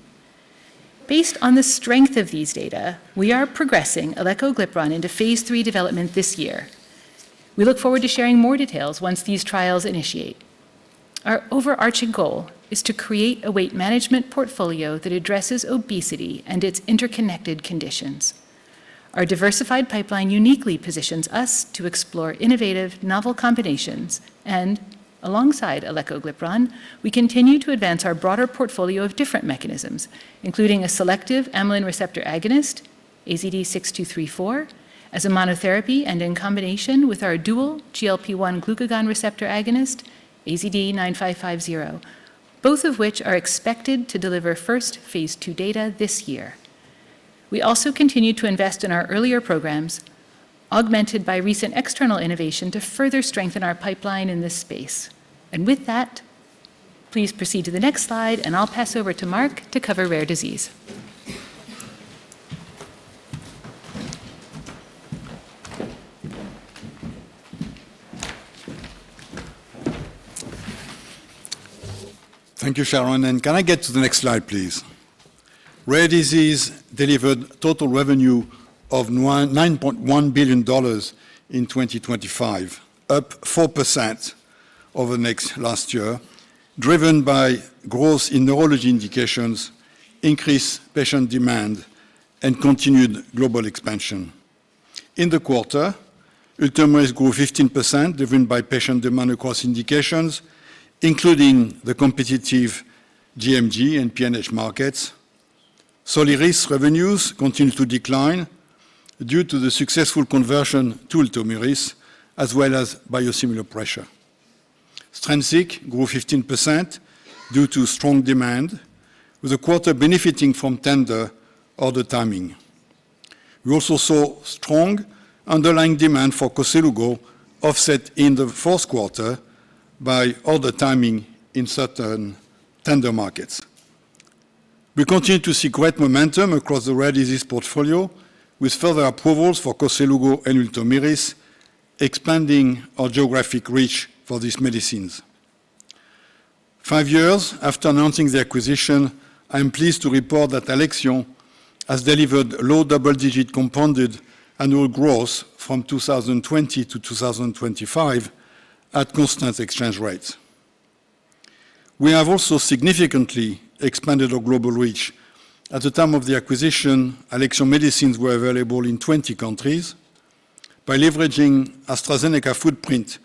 Based on the strength of these data, we are progressing Eccoglipron into phase III development this year. We look forward to sharing more details once these trials initiate. Our overarching goal is to create a weight management portfolio that addresses obesity and its interconnected conditions. Our diversified pipeline uniquely positions us to explore innovative, novel combinations, and alongside Eccoglipron, we continue to advance our broader portfolio of different mechanisms, including a selective amylin receptor agonist, AZD 6234, as a monotherapy and in combination with our dual GLP-1 glucagon receptor agonist, AZD 9550, both of which are expected to deliver first phase II data this year. We also continue to invest in our earlier programs, augmented by recent external innovation to further strengthen our pipeline in this space. And with that, please proceed to the next slide, and I'll pass over to Marc to cover rare disease. Thank you, Sharon. Can I get to the next slide, please? Rare disease delivered total revenue of $9.1 billion in 2025, up 4% over the next last year, driven by growth in neurology indications, increased patient demand, and continued global expansion. In the quarter, Ultomiris grew 15%, driven by patient demand across indications, including the competitive GMG and PNH markets. Soliris revenues continued to decline due to the successful conversion to Ultomiris, as well as biosimilar pressure. Strensiq grew 15% due to strong demand, with the quarter benefiting from tender order timing. We also saw strong underlying demand for Koselugo offset in the fourth quarter by order timing in certain tender markets. We continue to see great momentum across the rare disease portfolio, with further approvals for Koselugo and Ultomiris, expanding our geographic reach for these medicines. Five years after announcing the acquisition, I am pleased to report that Alexion has delivered low double-digit compounded annual growth from 2020 to 2025 at constant exchange rates. We have also significantly expanded our global reach. At the time of the acquisition, Alexion medicines were available in 20 countries. By leveraging AstraZeneca footprint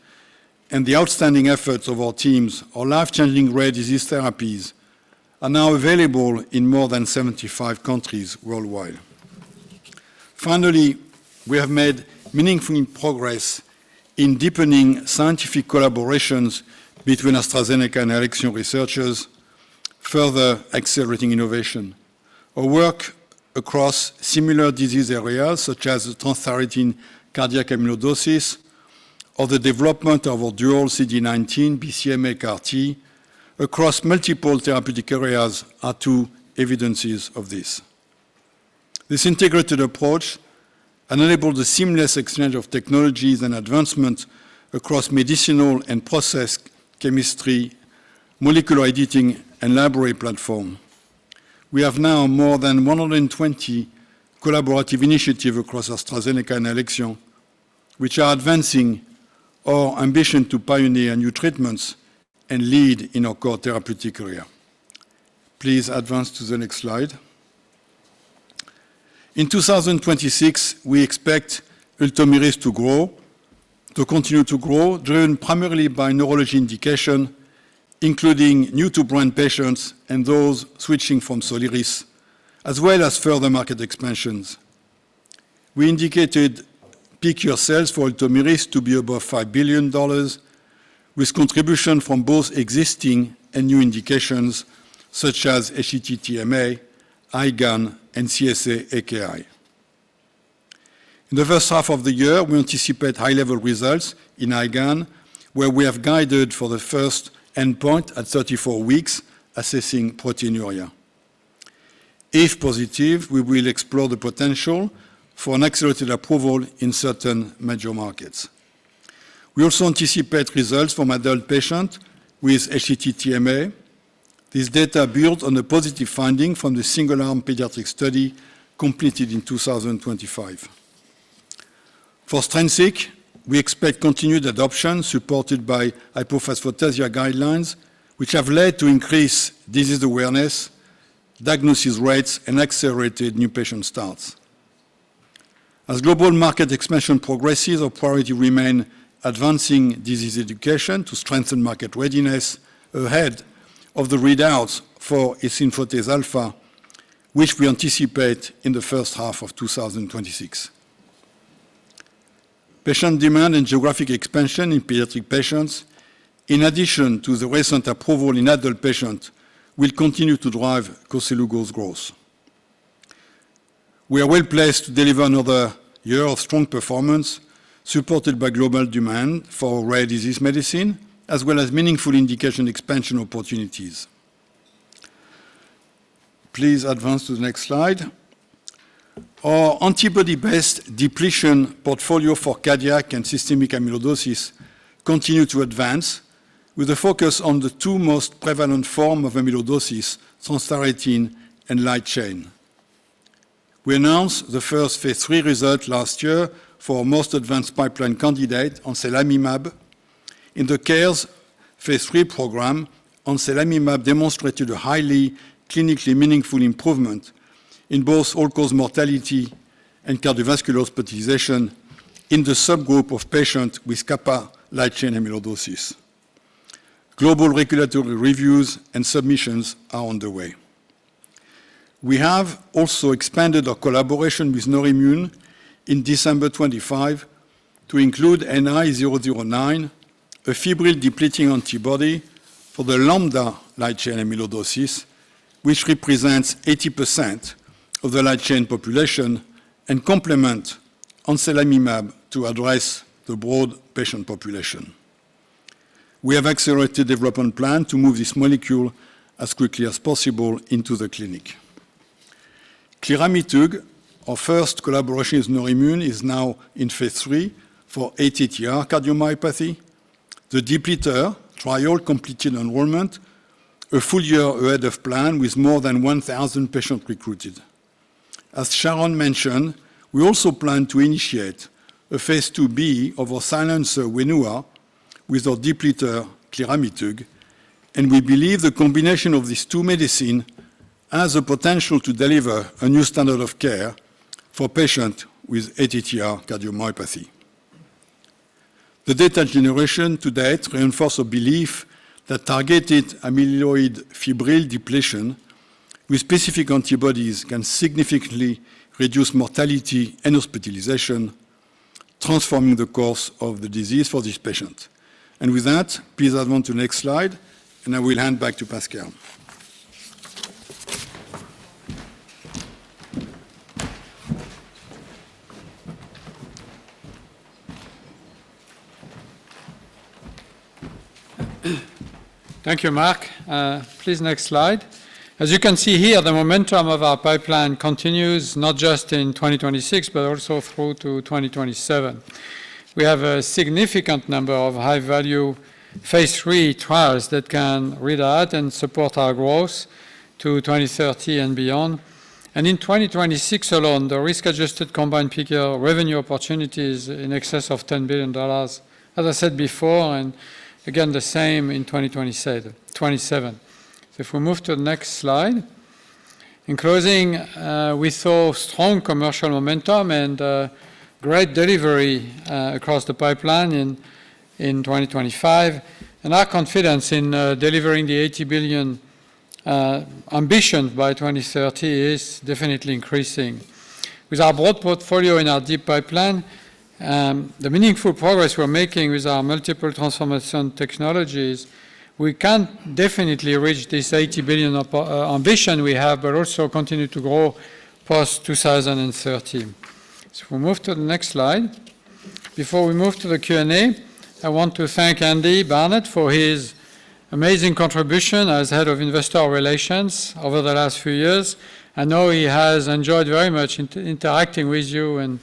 and the outstanding efforts of our teams, our life-changing rare disease therapies are now available in more than 75 countries worldwide. Finally, we have made meaningful progress in deepening scientific collaborations between AstraZeneca and Alexion researchers, further accelerating innovation. Our work across similar disease areas, such as the transthyretin cardiac amyloidosis or the development of our dual CD19 BCMA CAR-T across multiple therapeutic areas, are two evidences of this. This integrated approach enabled the seamless exchange of technologies and advancements across medicinal and process chemistry, molecular editing, and library platform. We have now more than 120 collaborative initiatives across AstraZeneca and Alexion, which are advancing our ambition to pioneer new treatments and lead in our core therapeutic areas. Please advance to the next slide. In 2026, we expect Ultomiris to grow, to continue to grow, driven primarily by neurological indications, including new-to-brand patients and those switching from Soliris, as well as further market expansions. We indicated peak sales for Ultomiris to be above $5 billion, with contribution from both existing and new indications, such as HSCT-TMA, IGAN, and CSA AKI. In the first half of the year, we anticipate headline results in IGAN, where we have guided for the first endpoint at 34 weeks, assessing proteinuria. If positive, we will explore the potential for an accelerated approval in certain major markets. We also anticipate results from adult patients with HSCT-TMA. This data builds on a positive finding from the single-arm pediatric study completed in 2025. For Strensiq, we expect continued adoption supported by hypophosphatasia guidelines, which have led to increased disease awareness, diagnosis rates, and accelerated new patient starts. As global market expansion progresses, our priority remains advancing disease education to strengthen market readiness ahead of the readouts for Asfotase alfa, which we anticipate in the first half of 2026. Patient demand and geographic expansion in pediatric patients, in addition to the recent approval in adult patients, will continue to drive Koselugo's growth. We are well placed to deliver another year of strong performance supported by global demand for rare disease medicine, as well as meaningful indication expansion opportunities. Please advance to the next slide. Our antibody-based depletion portfolio for cardiac and systemic amyloidosis continues to advance, with a focus on the two most prevalent forms of amyloidosis, transthyretin, and light chain. We announced the first phase III result last year for our most advanced pipeline candidate, Anselamimab. In the CARES phase III program, Anselamimab demonstrated a highly clinically meaningful improvement in both all-cause mortality and cardiovascular hospitalization in the subgroup of patients with Stage IIIb light chain amyloidosis. Global regulatory reviews and submissions are on the way. We have also expanded our collaboration with Neurimmune in December 2025 to include NI009, a fibril depleting antibody for the lambda light chain amyloidosis, which represents 80% of the light chain population and complements Anselamimab to address the broad patient population. We have accelerated development plan to move this molecule as quickly as possible into the clinic. Coramitug, our first collaboration with Neurimmune, is now in phase III for ATTR cardiomyopathy. The depletor trial completed enrollment, a full year ahead of plan with more than 1,000 patients recruited. As Sharon mentioned, we also plan to initiate a phase IIb of our silencer Wainua with our depletor Coramitug, and we believe the combination of these two medicines has the potential to deliver a new standard of care for patients with ATTR cardiomyopathy. The data generation to date reinforces our belief that targeted amyloid fibril depletion with specific antibodies can significantly reduce mortality and hospitalization, transforming the course of the disease for these patients. And with that, please advance to the next slide, and I will hand back to Pascal. Thank you, Marc. Please, next slide. As you can see here, the momentum of our pipeline continues not just in 2026 but also through to 2027. We have a significant number of high-value phase III trials that can read out and support our growth to 2030 and beyond. In 2026 alone, the risk-adjusted combined peak revenue opportunities in excess of $10 billion, as I said before, and again, the same in 2027. If we move to the next slide. In closing, we saw strong commercial momentum and great delivery across the pipeline in 2025, and our confidence in delivering the $80 billion ambition by 2030 is definitely increasing. With our broad portfolio in our deep pipeline, the meaningful progress we're making with our multiple transformation technologies, we can definitely reach this $80 billion ambition we have but also continue to grow past 2030. If we move to the next slide. Before we move to the Q&A, I want to thank Andy Barnett for his amazing contribution as head of investor relations over the last few years. I know he has enjoyed very much interacting with you, and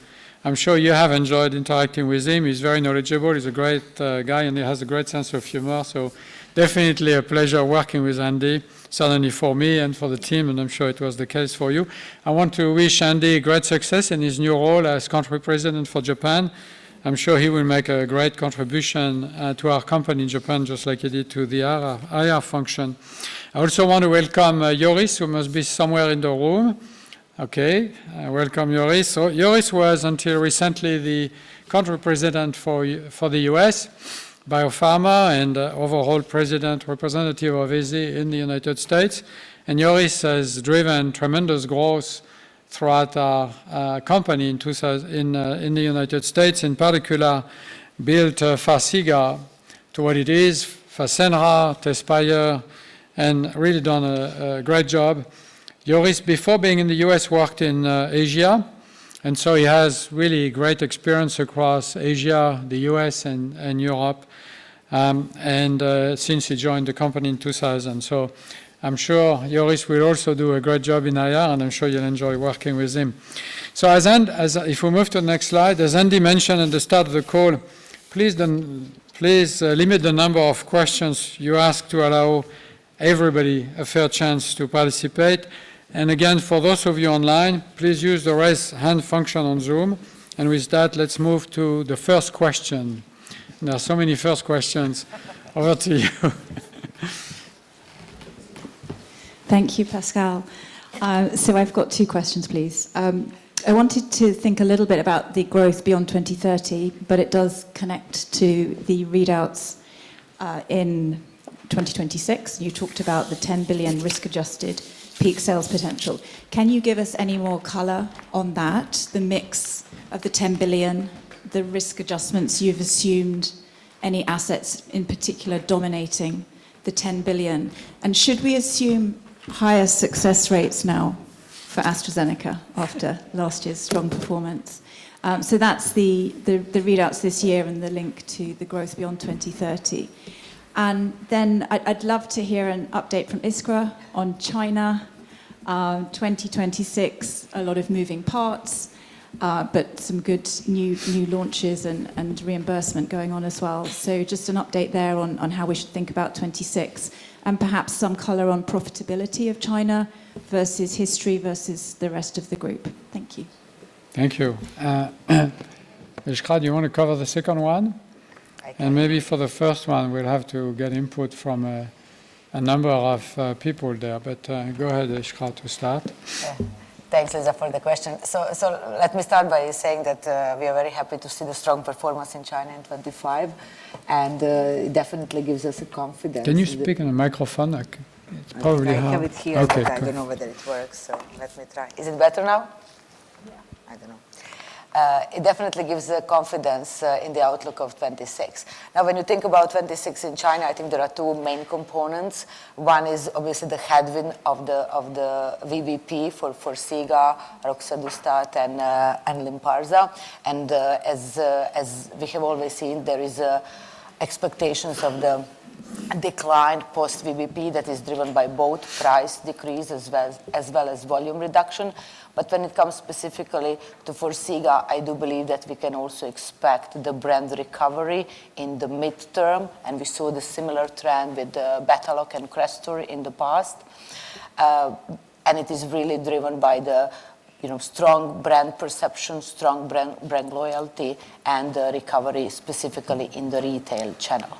I'm sure you have enjoyed interacting with him. He's very knowledgeable. He's a great guy, and he has a great sense of humor. So definitely a pleasure working with Andy, certainly for me and for the team, and I'm sure it was the case for you. I want to wish Andy great success in his new role as country president for Japan. I'm sure he will make a great contribution to our company in Japan, just like he did to the IR function. I also want to welcome Joris, who must be somewhere in the room. Okay. Welcome, Joris. Joris was, until recently, the country president for the U.S., BioPharma, and overall president, representative of AZ in the United States. Joris has driven tremendous growth throughout our company in the United States, in particular, built Farxiga to what it is, Fasenra, Tezspire, and really done a great job. Joris, before being in the U.S., worked in Asia, and so he has really great experience across Asia, the U.S., and Europe, and since he joined the company in 2000. I'm sure Joris will also do a great job in IR, and I'm sure you'll enjoy working with him. As we move to the next slide, as Andy mentioned at the start of the call, please limit the number of questions you ask to allow everybody a fair chance to participate. Again, for those of you online, please use the raise hand function on Zoom. With that, let's move to the first question. There are so many first questions. Over to you. Thank you, Pascal. So I've got two questions, please. I wanted to think a little bit about the growth beyond 2030, but it does connect to the readouts in 2026. You talked about the $10 billion risk-adjusted peak sales potential. Can you give us any more color on that, the mix of the $10 billion, the risk adjustments you've assumed, any assets in particular dominating the $10 billion? And should we assume higher success rates now for AstraZeneca after last year's strong performance? So that's the readouts this year and the link to the growth beyond 2030. And then I'd love to hear an update from Iskra on China. 2026, a lot of moving parts, but some good new launches and reimbursement going on as well. Just an update there on how we should think about 2026 and perhaps some color on profitability of China versus history versus the rest of the group. Thank you. Thank you. Iskra, do you want to cover the second one? And maybe for the first one, we'll have to get input from a number of people there. But go ahead, Iskra, to start. Thanks, Liza, for the question. Let me start by saying that we are very happy to see the strong performance in China in 2025, and it definitely gives us confidence. Can you speak on a microphone? It's probably hard. I can't have it here. I don't know whether it works, so let me try. Is it better now? Yeah. I don't know. It definitely gives confidence in the outlook of 2026. Now, when you think about 2026 in China, I think there are two main components. One is obviously the headwind of the VBP for Farxiga, Roxadustat, and Lynparza. And as we have always seen, there are expectations of the decline post-VBP that is driven by both price decrease as well as volume reduction. But when it comes specifically to Farxiga, I do believe that we can also expect the brand recovery in the midterm. And we saw the similar trend with Betaloc and Crestor in the past. And it is really driven by the strong brand perception, strong brand loyalty, and recovery specifically in the retail channel.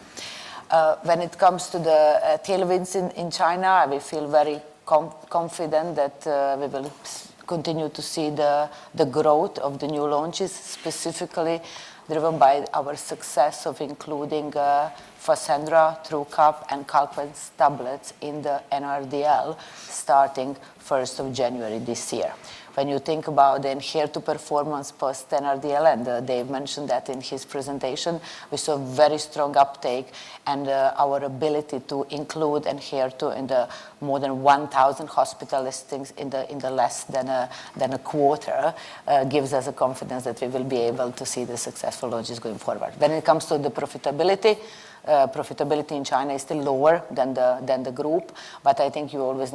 When it comes to the tailwinds in China, we feel very confident that we will continue to see the growth of the new launches, specifically driven by our success of including Fasenra through GBA and Calquence tablets in the NRDL starting 1st of January this year. When you think about the Imfinzi performance post-NRDL, and Dave mentioned that in his presentation, we saw very strong uptake, and our ability to include Imfinzi in the more than 1,000 hospital listings in less than a quarter gives us confidence that we will be able to see the successful launches going forward. When it comes to the profitability, profitability in China is still lower than the group, but I think you always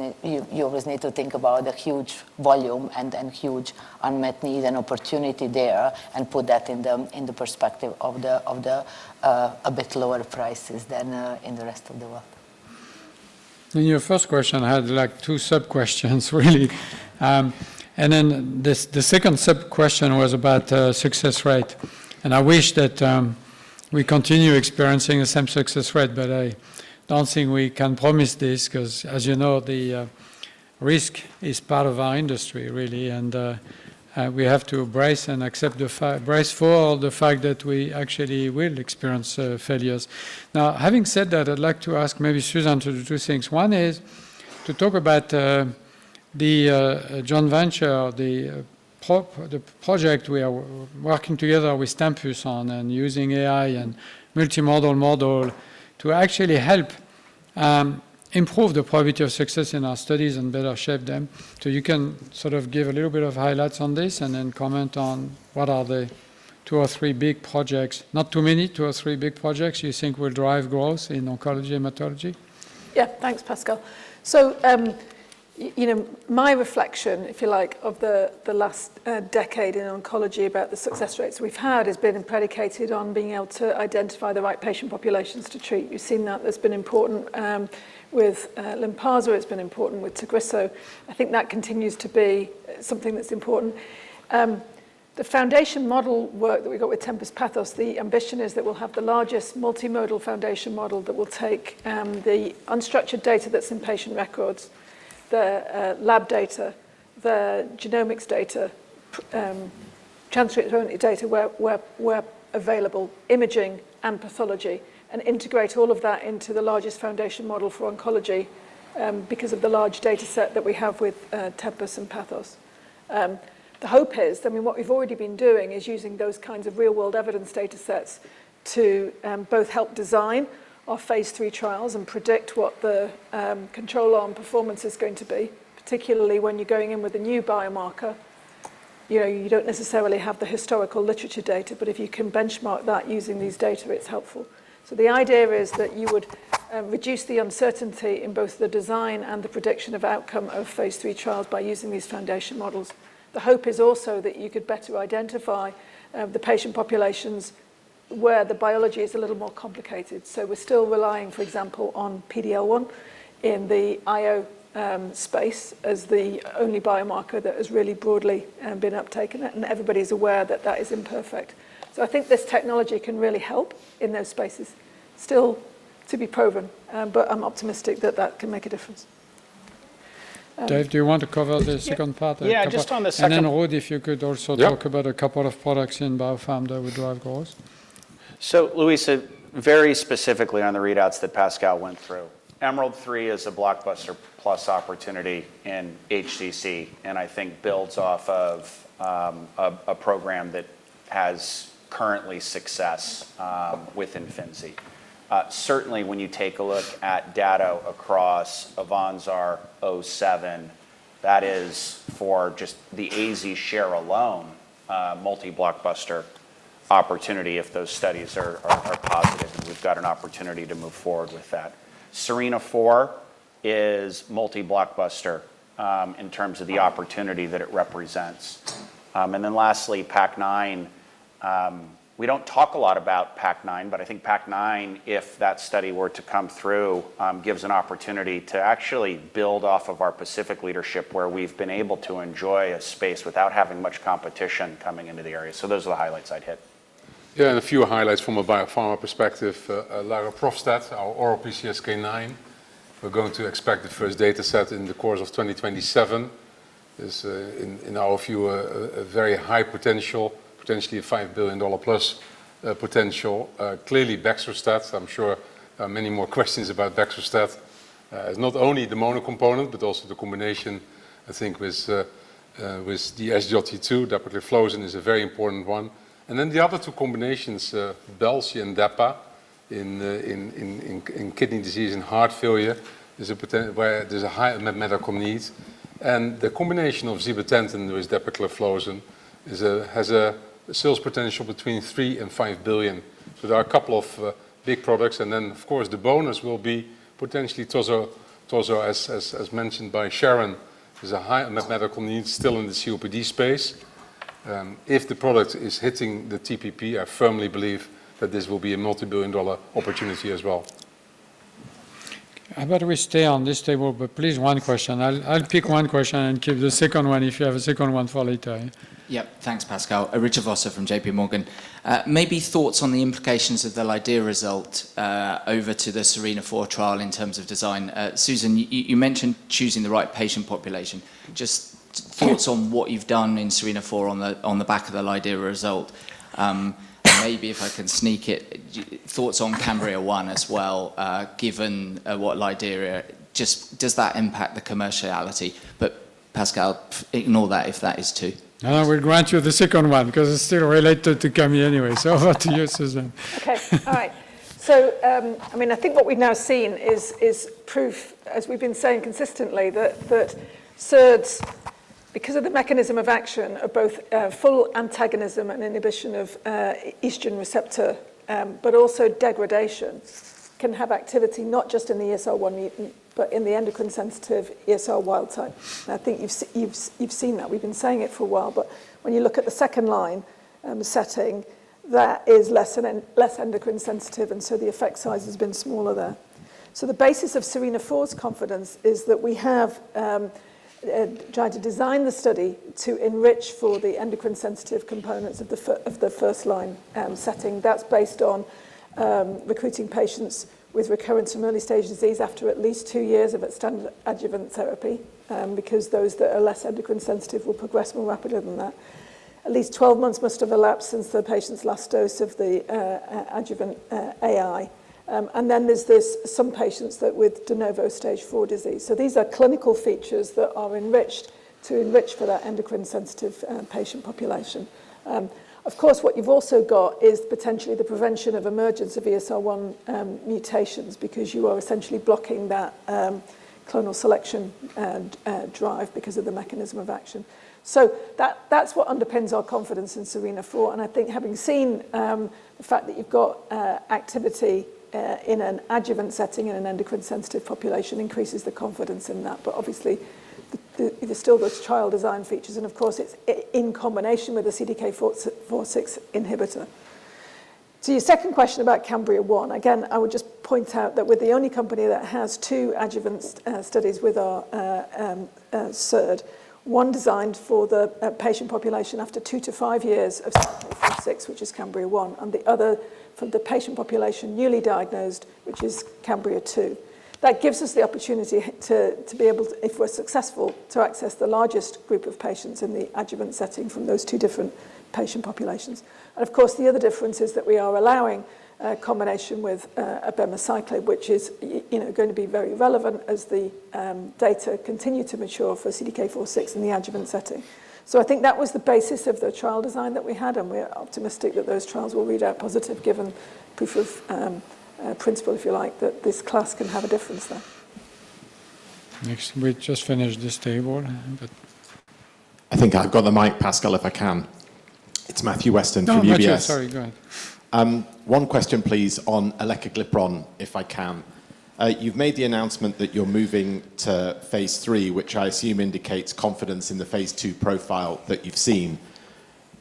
need to think about the huge volume and huge unmet need and opportunity there and put that in the perspective of the a bit lower prices than in the rest of the world. Your first question had two sub-questions, really. And then the second sub-question was about success rate. And I wish that we continue experiencing the same success rate, but I don't think we can promise this because, as you know, the risk is part of our industry, really, and we have to brace and accept the brace for the fact that we actually will experience failures. Now, having said that, I'd like to ask maybe Susan to do two things. One is to talk about the joint venture, the project we are working together with Tempus on and using AI and multimodal model to actually help improve the probability of success in our studies and better shape them. So you can sort of give a little bit of highlights on this and then comment on what are the two or three big projects, not too many, two or three big projects you think will drive growth in oncology and hematology? Yeah. Thanks, Pascal. So my reflection, if you like, of the last decade in oncology about the success rates we've had has been predicated on being able to identify the right patient populations to treat. You've seen that. It's been important with Lynparza. It's been important with Tagrisso. I think that continues to be something that's important. The foundation model work that we got with Tempus Pathos, the ambition is that we'll have the largest multimodal foundation model that will take the unstructured data that's in patient records, the lab data, the genomics data, transcript-only data where available, imaging and pathology, and integrate all of that into the largest foundation model for oncology because of the large dataset that we have with Tempus and Pathos. The hope is, I mean, what we've already been doing is using those kinds of real-world evidence datasets to both help design our phase III trials and predict what the control arm performance is going to be, particularly when you're going in with a new biomarker. You don't necessarily have the historical literature data, but if you can benchmark that using these data, it's helpful. So the idea is that you would reduce the uncertainty in both the design and the prediction of outcome of phase III trials by using these foundation models. The hope is also that you could better identify the patient populations where the biology is a little more complicated. So we're still relying, for example, on PD-L1 in the IO space as the only biomarker that has really broadly been uptaken, and everybody is aware that that is imperfect. I think this technology can really help in those spaces, still to be proven, but I'm optimistic that that can make a difference. Dave, do you want to cover the second part? Yeah, just on the second. Ruud, if you could also talk about a couple of products in Biopharm that would drive growth. So Luisa, very specifically on the readouts that Pascal went through, EMERALD-3 is a blockbuster-plus opportunity in HCC, and I think builds off of a program that has currently success with Imfinzi. Certainly, when you take a look at data across AVANZAR, that is for just the AZ share alone, multi-blockbuster opportunity if those studies are positive, and we've got an opportunity to move forward with that. SERENA-4 is multi-blockbuster in terms of the opportunity that it represents. And then lastly, PACIFIC-9. We don't talk a lot about PACIFIC-9, but I think PACIFIC-9, if that study were to come through, gives an opportunity to actually build off of our Pacific leadership where we've been able to enjoy a space without having much competition coming into the area. So those are the highlights I'd hit. Yeah, and a few highlights from a Biopharma perspective. AZD0780, our oral PCSK9. We're going to expect the first dataset in the course of 2027. It's, in our view, a very high potential, potentially a $5 billion-plus potential. Clearly, baxdrostat. I'm sure many more questions about baxdrostat. Not only the monocomponent, but also the combination, I think, with the SGLT2. Dapagliflozin is a very important one. The other two combinations, balcinrenone and Dapa in kidney disease and heart failure, is a potential where there's a higher metabolic need. The combination of zibotentan with dapagliflozin has a sales potential between $3 billion-$5 billion. There are a couple of big products. Of course, the bonus will be potentially Tozo, as mentioned by Sharon. There's a higher metabolic need still in the COPD space. If the product is hitting the TPP, I firmly believe that this will be a multi-billion dollar opportunity as well. How about we stay on this table? But please, one question. I'll pick one question and keep the second one if you have a second one for later. Yep. Thanks, Pascal. Richard Vosser from JPMorgan. Maybe thoughts on the implications of the lidERA result over to the SERENA-4 trial in terms of design. Susan, you mentioned choosing the right patient population. Just thoughts on what you've done in SERENA-4 on the back of the lidERA result. Maybe, if I can sneak it, thoughts on CAMBRIA-1 as well, given what lidERA just does that impact the commerciality? But Pascal, ignore that if that is two. No, no. We'll grant you the second one because it's still related to CAMBRIA anyway. So over to you, Susan. Okay. All right. So, I mean, I think what we've now seen is proof, as we've been saying consistently, that SERDs, because of the mechanism of action of both full antagonism and inhibition of estrogen receptor, but also degradation, can have activity not just in the ESR1 mutant, but in the endocrine-sensitive ESR wild type. And I think you've seen that. We've been saying it for a while. But when you look at the second line setting, that is less endocrine-sensitive, and so the effect size has been smaller there. So the basis of SERENA-4's confidence is that we have tried to design the study to enrich for the endocrine-sensitive components of the first line setting. That's based on recruiting patients with recurrence from early-stage disease after at least two years of standard adjuvant therapy because those that are less endocrine-sensitive will progress more rapidly than that. At least 12 months must have elapsed since the patient's last dose of the adjuvant AI. And then there's some patients with de novo stage IV disease. So these are clinical features that are enriched to enrich for that endocrine-sensitive patient population. Of course, what you've also got is potentially the prevention of emergence of ESR1 mutations because you are essentially blocking that clonal selection drive because of the mechanism of action. So that's what underpins our confidence in SERENA-4. And I think having seen the fact that you've got activity in an adjuvant setting in an endocrine-sensitive population increases the confidence in that. But obviously, there's still those trial design features. And of course, it's in combination with a CDK4/6 inhibitor. To your second question about CAMBRIA-1, again, I would just point out that we're the only company that has 2 adjuvant studies with our SERD, 1 designed for the patient population after 2-5 years of CDK4/6, which is CAMBRIA-1, and the other for the patient population newly diagnosed, which is CAMBRIA 2. That gives us the opportunity to be able, if we're successful, to access the largest group of patients in the adjuvant setting from those 2 different patient populations. And of course, the other difference is that we are allowing a combination with abemaciclib, which is going to be very relevant as the data continue to mature for CDK4/6 in the adjuvant setting. So I think that was the basis of the trial design that we had, and we're optimistic that those trials will read out positive given proof of principle, if you like, that this class can have a difference there. Next. We just finished this table, but. I think I've got the mic, Pascal, if I can. It's Matthew Weston from UBS. No, I'm here. Sorry. Go ahead. One question, please, on Eccoglipron, if I can. You've made the announcement that you're moving to phase III, which I assume indicates confidence in the phase II profile that you've seen.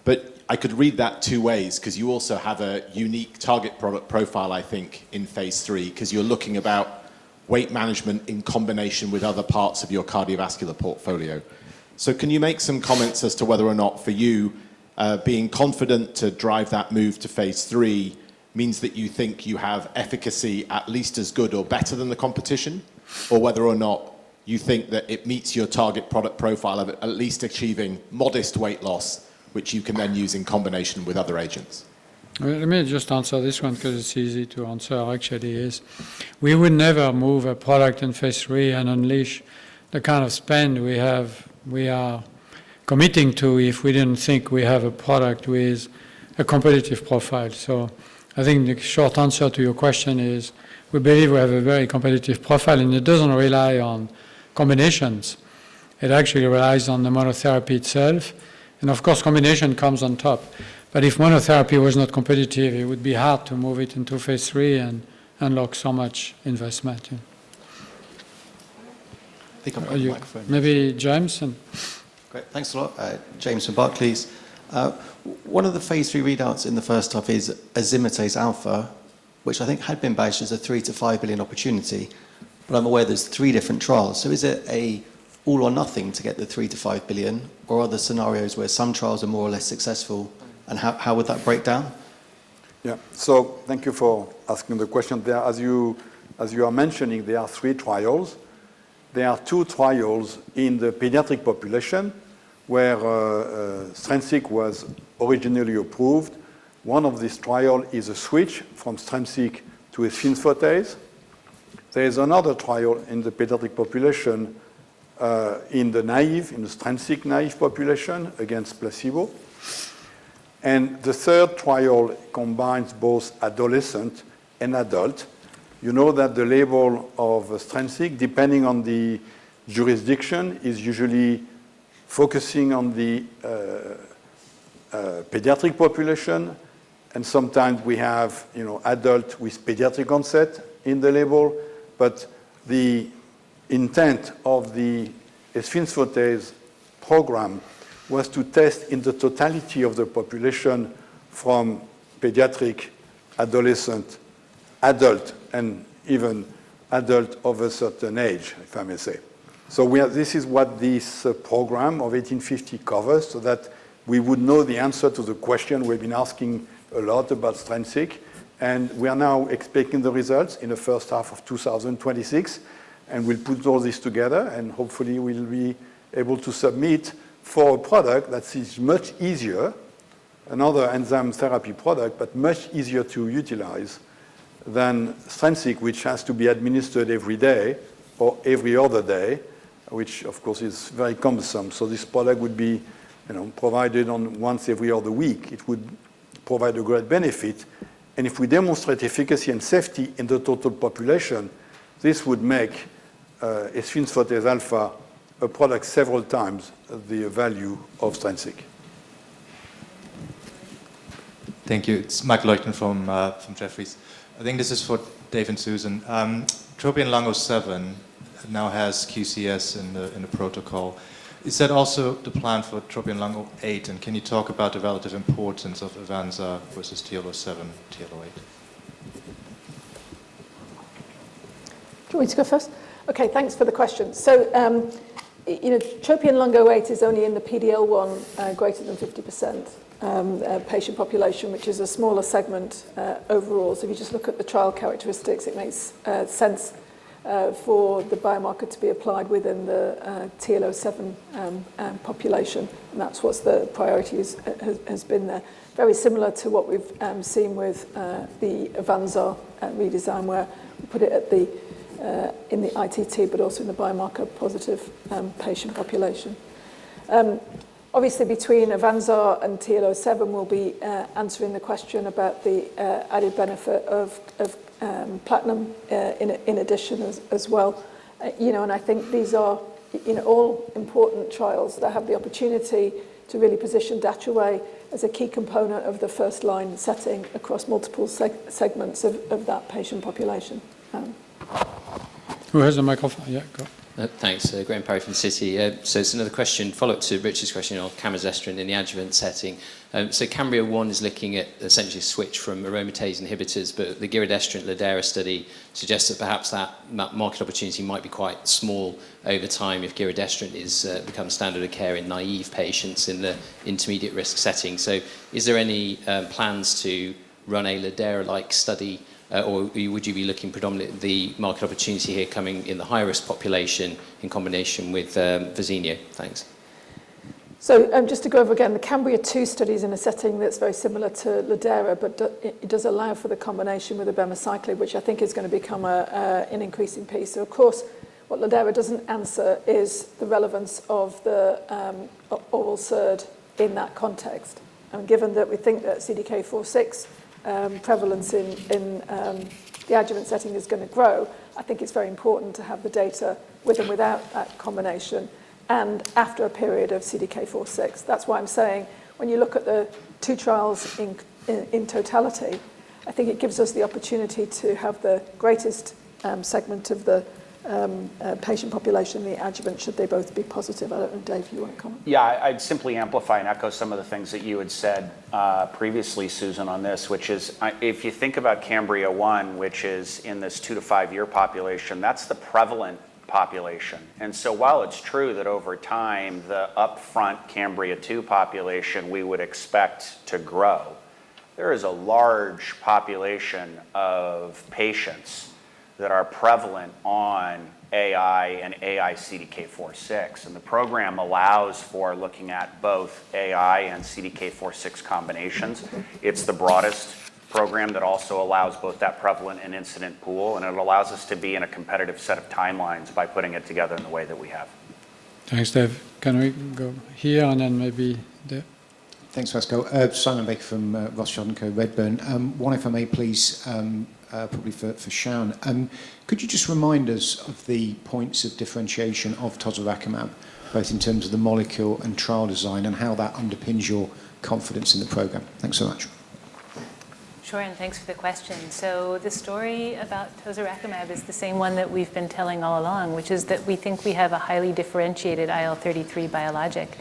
But I could read that two ways because you also have a unique target product profile, I think, in phase III because you're looking about weight management in combination with other parts of your cardiovascular portfolio. So can you make some comments as to whether or not, for you, being confident to drive that move to phase III means that you think you have efficacy at least as good or better than the competition, or whether or not you think that it meets your target product profile of at least achieving modest weight loss, which you can then use in combination with other agents? Let me just answer this one because it's easy to answer. Actually, it is. We would never move a product in phase III and unleash the kind of spend we are committing to if we didn't think we have a product with a competitive profile. So I think the short answer to your question is we believe we have a very competitive profile, and it doesn't rely on combinations. It actually relies on the monotherapy itself. And of course, combination comes on top. But if monotherapy was not competitive, it would be hard to move it into phase III and unlock so much investment. I think I've got the mic for you. Are you? Maybe James? Great. Thanks a lot. James and Bart, please. One of the phase III readouts in the first half is asfotase alfa, which I think had been badged as a $3 billion-$5 billion opportunity, but I'm aware there's three different trials. So is it an all-or-nothing to get the $3 billion-$5 billion, or are there scenarios where some trials are more or less successful, and how would that break down? Yeah. So thank you for asking the question. As you are mentioning, there are three trials. There are two trials in the pediatric population where Soliris was originally approved. One of these trials is a switch from Soliris to Ultomiris. There is another trial in the pediatric population in the naive, in the Soliris-naive population against placebo. And the third trial combines both adolescent and adult. You know that the label of Soliris, depending on the jurisdiction, is usually focusing on the pediatric population. And sometimes we have adult with pediatric onset in the label. But the intent of the Ultomiris program was to test in the totality of the population from pediatric, adolescent, adult, and even adult of a certain age, if I may say. So this is what this program of ALXN1850 covers so that we would know the answer to the question we've been asking a lot about Strensiq. And we are now expecting the results in the first half of 2026. And we'll put all this together, and hopefully, we'll be able to submit for a product that's much easier, another enzyme therapy product, but much easier to utilize than Strensiq, which has to be administered every day or every other day, which, of course, is very cumbersome. So this product would be provided once every other week. It would provide a great benefit. And if we demonstrate efficacy and safety in the total population, this would make asfotase alfa a product several times the value of Strensiq. Thank you. It's Mike Leuchten from Jefferies. I think this is for Dave and Susan. TROPION-Lung07 now has QCS in the protocol. Is that also the plan for TROPION-Lung08? And can you talk about the relative importance of Avanza versus TL07, TL08? Do you want me to go first? Okay. Thanks for the question. Tropion Lung 08 is only in the PD-L1 greater than 50% patient population, which is a smaller segment overall. If you just look at the trial characteristics, it makes sense for the biomarker to be applied within the TL07 population. That's what the priority has been there, very similar to what we've seen with the Avanza redesign where we put it in the ITT but also in the biomarker-positive patient population. Obviously, between Avanza and TL07, we'll be answering the question about the added benefit of platinum in addition as well. I think these are all important trials that have the opportunity to really position Datopotamab as a key component of the first line setting across multiple segments of that patient population. Who has the microphone? Yeah. Go. Thanks. Graham Parry from Citi. So it's another question, follow-up to Richard's question on camizestrant in the adjuvant setting. So CAMBRIA-1 is looking at essentially a switch from aromatase inhibitors, but the giredestrant/lidERA study suggests that perhaps that market opportunity might be quite small over time if giredestrant becomes standard of care in naive patients in the intermediate-risk setting. So is there any plans to run a lidERA-like study, or would you be looking predominantly at the market opportunity here coming in the high-risk population in combination with Verzenio? Thanks. So just to go over again, the CAMBRIA 2 study is in a setting that's very similar to Ladera, but it does allow for the combination with abemaciclib, which I think is going to become an increasing piece. So of course, what Ladera doesn't answer is the relevance of the oral SERD in that context. And given that we think that CDK4/6 prevalence in the adjuvant setting is going to grow, I think it's very important to have the data with and without that combination and after a period of CDK4/6. That's why I'm saying when you look at the two trials in totality, I think it gives us the opportunity to have the greatest segment of the patient population, the adjuvant, should they both be positive. I don't know, Dave, you want to comment? Yeah. I'd simply amplify and echo some of the things that you had said previously, Susan, on this, which is if you think about CAMBRIA-1, which is in this 2-5-year population, that's the prevalent population. And so while it's true that over time, the upfront CAMBRIA 2 population, we would expect to grow, there is a large population of patients that are prevalent on AI and AI CDK4/6. And the program allows for looking at both AI and CDK4/6 combinations. It's the broadest program that also allows both that prevalent and incident pool. And it allows us to be in a competitive set of timelines by putting it together in the way that we have. Thanks, Dave. Can we go here and then maybe there? Thanks, Pascal. Simon Baker from Redburn Atlantic. One, if I may, please, probably for Sharon. Could you just remind us of the points of differentiation of tozorakimab, both in terms of the molecule and trial design, and how that underpins your confidence in the program? Thanks so much. Sure. Thanks for the question. The story about tozorakimab is the same one that we've been telling all along, which is that we think we have a highly differentiated IL-33 biologic.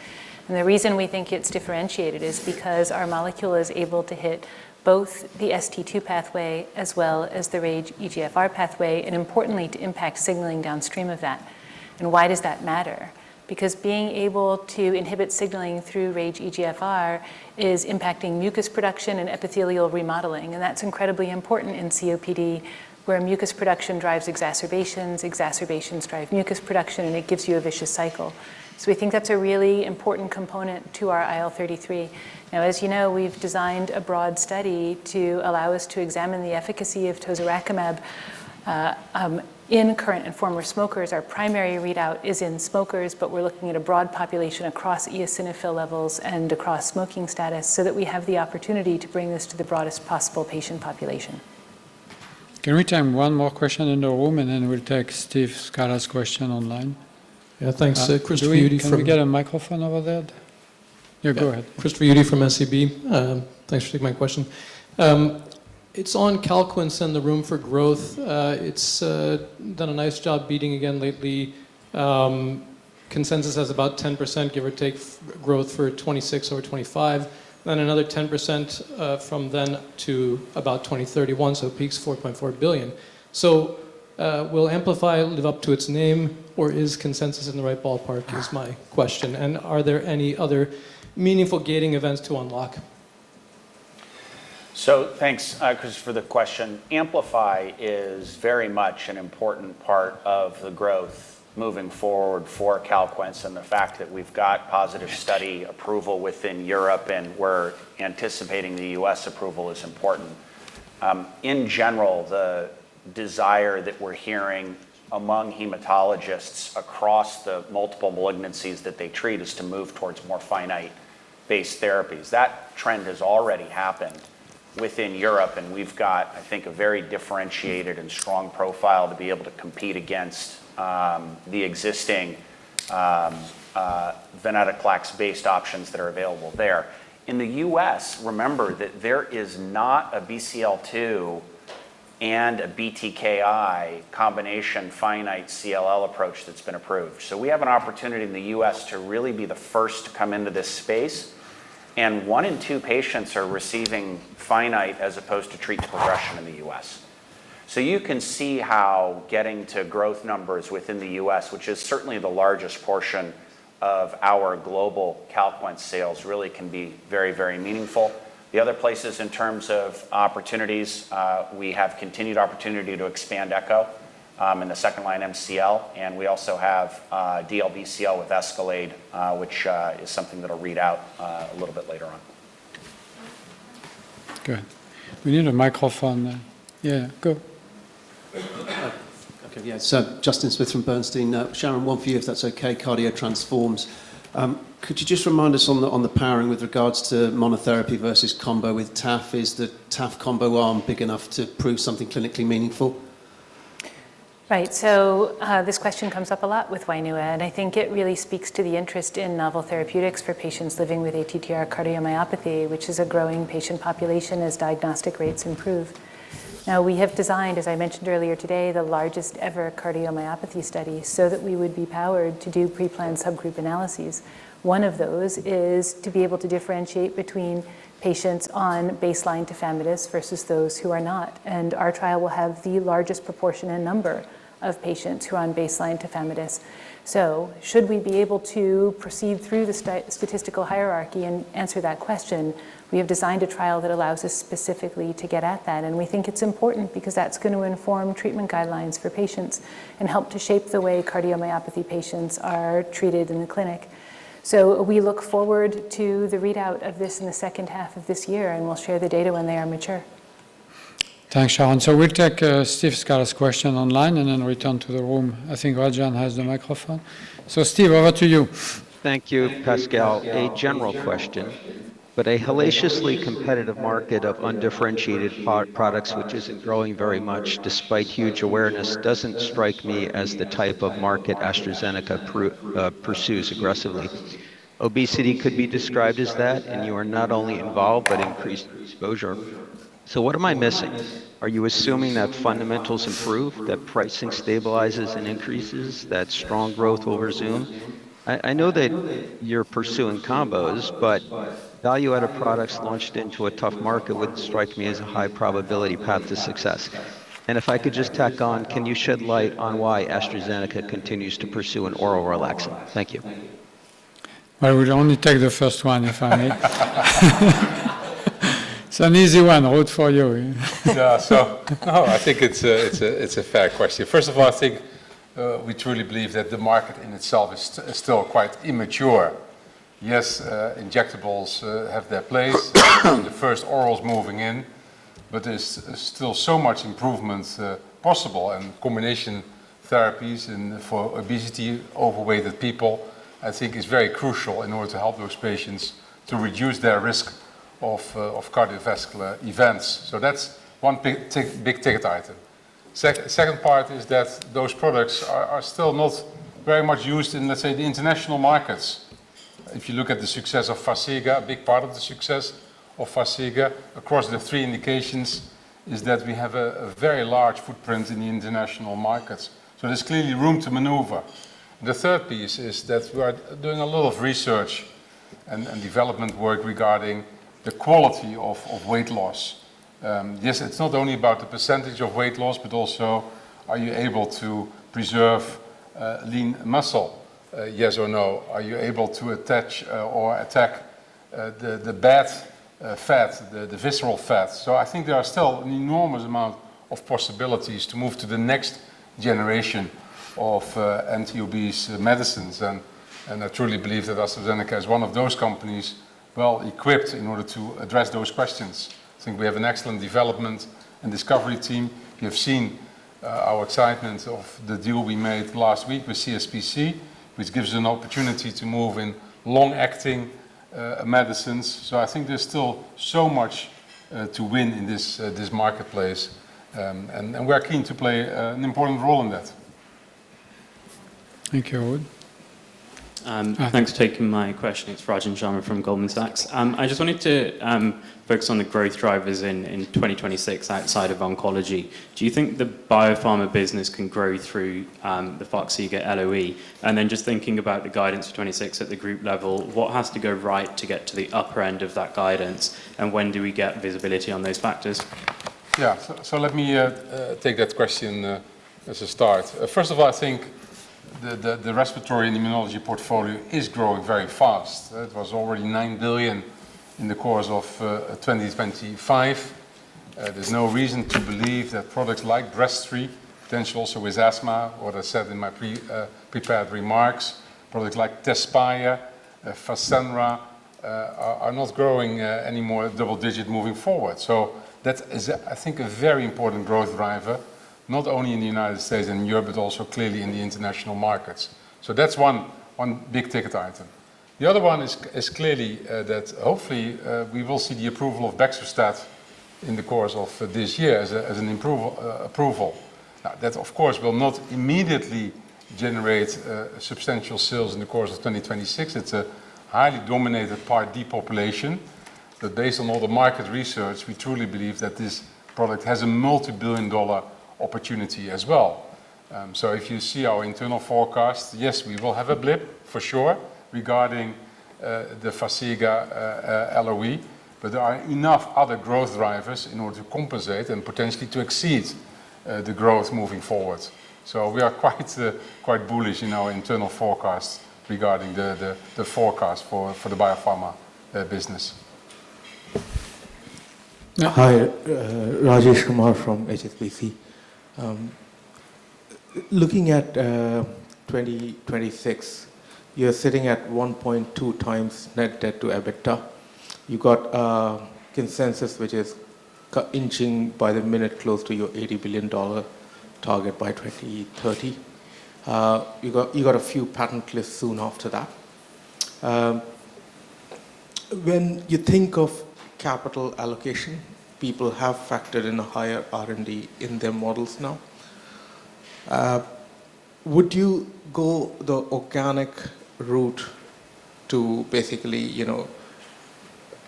The reason we think it's differentiated is because our molecule is able to hit both the ST2 pathway as well as the RAGE EGFR pathway and, importantly, to impact signaling downstream of that. Why does that matter? Because being able to inhibit signaling through RAGE EGFR is impacting mucus production and epithelial remodeling. That's incredibly important in COPD where mucus production drives exacerbations. Exacerbations drive mucus production, and it gives you a vicious cycle. We think that's a really important component to our IL-33. Now, as you know, we've designed a broad study to allow us to examine the efficacy of tozorakimab in current and former smokers. Our primary readout is in smokers, but we're looking at a broad population across eosinophil levels and across smoking status so that we have the opportunity to bring this to the broadest possible patient population. Can we take one more question in the room, and then we'll take Steve Scala's question online? Yeah. Thanks. Christopher Uhde from. Do we get a microphone over there? Yeah. Go ahead. Christopher Uhde from SEB. Thanks for taking my question. It's on Calquence and the room for growth. It's done a nice job beating again lately. Consensus has about 10%, give or take, growth for 2026 over 2025, then another 10% from then to about 2031, so peaks $4.4 billion. So will Amplify live up to its name, or is consensus in the right ballpark is my question? And are there any other meaningful gating events to unlock? So thanks, Chris, for the question. Amplify is very much an important part of the growth moving forward for Calquence and the fact that we've got positive study approval within Europe, and we're anticipating the US approval is important. In general, the desire that we're hearing among hematologists across the multiple malignancies that they treat is to move towards more finite-based therapies. That trend has already happened within Europe, and we've got, I think, a very differentiated and strong profile to be able to compete against the existing venetoclax-based options that are available there. In the US, remember that there is not a BCL2 and a BTKI combination finite CLL approach that's been approved. So we have an opportunity in the U.S. to really be the first to come into this space. And one in two patients are receiving finite as opposed to treat progression in the U.S. You can see how getting to growth numbers within the US, which is certainly the largest portion of our global Calquence sales, really can be very, very meaningful. The other places, in terms of opportunities, we have continued opportunity to expand ECHO in the second-line MCL. We also have DLBCL with Escalade, which is something that'll read out a little bit later on. Good. We need a microphone there. Yeah. Go. Okay. Yeah. It's Justin Smith from Bernstein. Simon, one for you, if that's okay, CardioTransform. Could you just remind us on the powering with regards to monotherapy versus combo with TAF? Is the TAF combo arm big enough to prove something clinically meaningful? Right. So this question comes up a lot with Wainua, and I think it really speaks to the interest in novel therapeutics for patients living with ATTR cardiomyopathy, which is a growing patient population as diagnostic rates improve. Now, we have designed, as I mentioned earlier today, the largest-ever cardiomyopathy study so that we would be powered to do preplanned subgroup analyses. One of those is to be able to differentiate between patients on baseline tafamidis versus those who are not. And our trial will have the largest proportion and number of patients who are on baseline tafamidis. So should we be able to proceed through the statistical hierarchy and answer that question, we have designed a trial that allows us specifically to get at that. We think it's important because that's going to inform treatment guidelines for patients and help to shape the way cardiomyopathy patients are treated in the clinic. We look forward to the readout of this in the second half of this year, and we'll share the data when they are mature. Thanks, Shawn. So we'll take Steve Scala's question online and then return to the room. I think Rajan has the microphone. So Steve, over to you. Thank you, Pascal. A general question, but a hellaciously competitive market of undifferentiated products, which isn't growing very much despite huge awareness, doesn't strike me as the type of market AstraZeneca pursues aggressively. Obesity could be described as that, and you are not only involved but increased exposure. So what am I missing? Are you assuming that fundamentals improve, that pricing stabilizes and increases, that strong growth will resume? I know that you're pursuing combos, but value-added products launched into a tough market would strike me as a high-probability path to success. And if I could just tack on, can you shed light on why AstraZeneca continues to pursue an oral relaxant? Thank you. All right. We'll only take the first one, if I may. It's an easy one. Ruud for you. Yeah. So no, I think it's a fair question. First of all, I think we truly believe that the market in itself is still quite immature. Yes, injectables have their place, the first orals moving in, but there's still so much improvement possible. And combination therapies for obesity, overweight people, I think is very crucial in order to help those patients to reduce their risk of cardiovascular events. So that's one big ticket item. Second part is that those products are still not very much used in, let's say, the international markets. If you look at the success of Farxiga, a big part of the success of Farxiga across the three indications is that we have a very large footprint in the international markets. So there's clearly room to maneuver. The third piece is that we are doing a lot of research and development work regarding the quality of weight loss. Yes, it's not only about the percentage of weight loss, but also, are you able to preserve lean muscle, yes or no? Are you able to attach or attack the bad fat, the visceral fat? So I think there are still an enormous amount of possibilities to move to the next generation of anti-obese medicines. And I truly believe that AstraZeneca is one of those companies, well, equipped in order to address those questions. I think we have an excellent development and discovery team. You have seen our excitement of the deal we made last week with CSPC, which gives an opportunity to move in long-acting medicines. I think there's still so much to win in this marketplace, and we are keen to play an important role in that. Thank you, Ruud. Thanks for taking my question. It's Rajan Sharma from Goldman Sachs. I just wanted to focus on the growth drivers in 2026 outside of oncology. Do you think the biopharma business can grow through the Farxiga LOE? And then just thinking about the guidance for 2026 at the group level, what has to go right to get to the upper end of that guidance, and when do we get visibility on those factors? Yeah. So let me take that question as a start. First of all, I think the respiratory and immunology portfolio is growing very fast. It was already $9 billion in the course of 2025. There's no reason to believe that products like Breztri, potentially also with asthma, what I said in my prepared remarks, products like Tezspire, Fasenra, are not growing anymore, double-digit, moving forward. So that is, I think, a very important growth driver, not only in the United States and Europe, but also clearly in the international markets. So that's one big ticket item. The other one is clearly that hopefully, we will see the approval of Beyfortus in the course of this year as an approval. Now, that, of course, will not immediately generate substantial sales in the course of 2026. It's a highly dominated Part D population. Based on all the market research, we truly believe that this product has a multi-billion-dollar opportunity as well. If you see our internal forecast, yes, we will have a blip for sure regarding the Farxiga LOE. There are enough other growth drivers in order to compensate and potentially to exceed the growth moving forward. We are quite bullish in our internal forecasts regarding the forecast for the biopharma business. Hi. Rajesh Kumar from HSBC. Looking at 2026, you're sitting at 1.2x net debt to EBITDA. You've got consensus, which is inching by the minute close to your $80 billion target by 2030. You've got a few patent lists soon after that. When you think of capital allocation, people have factored in a higher R&D in their models now. Would you go the organic route to basically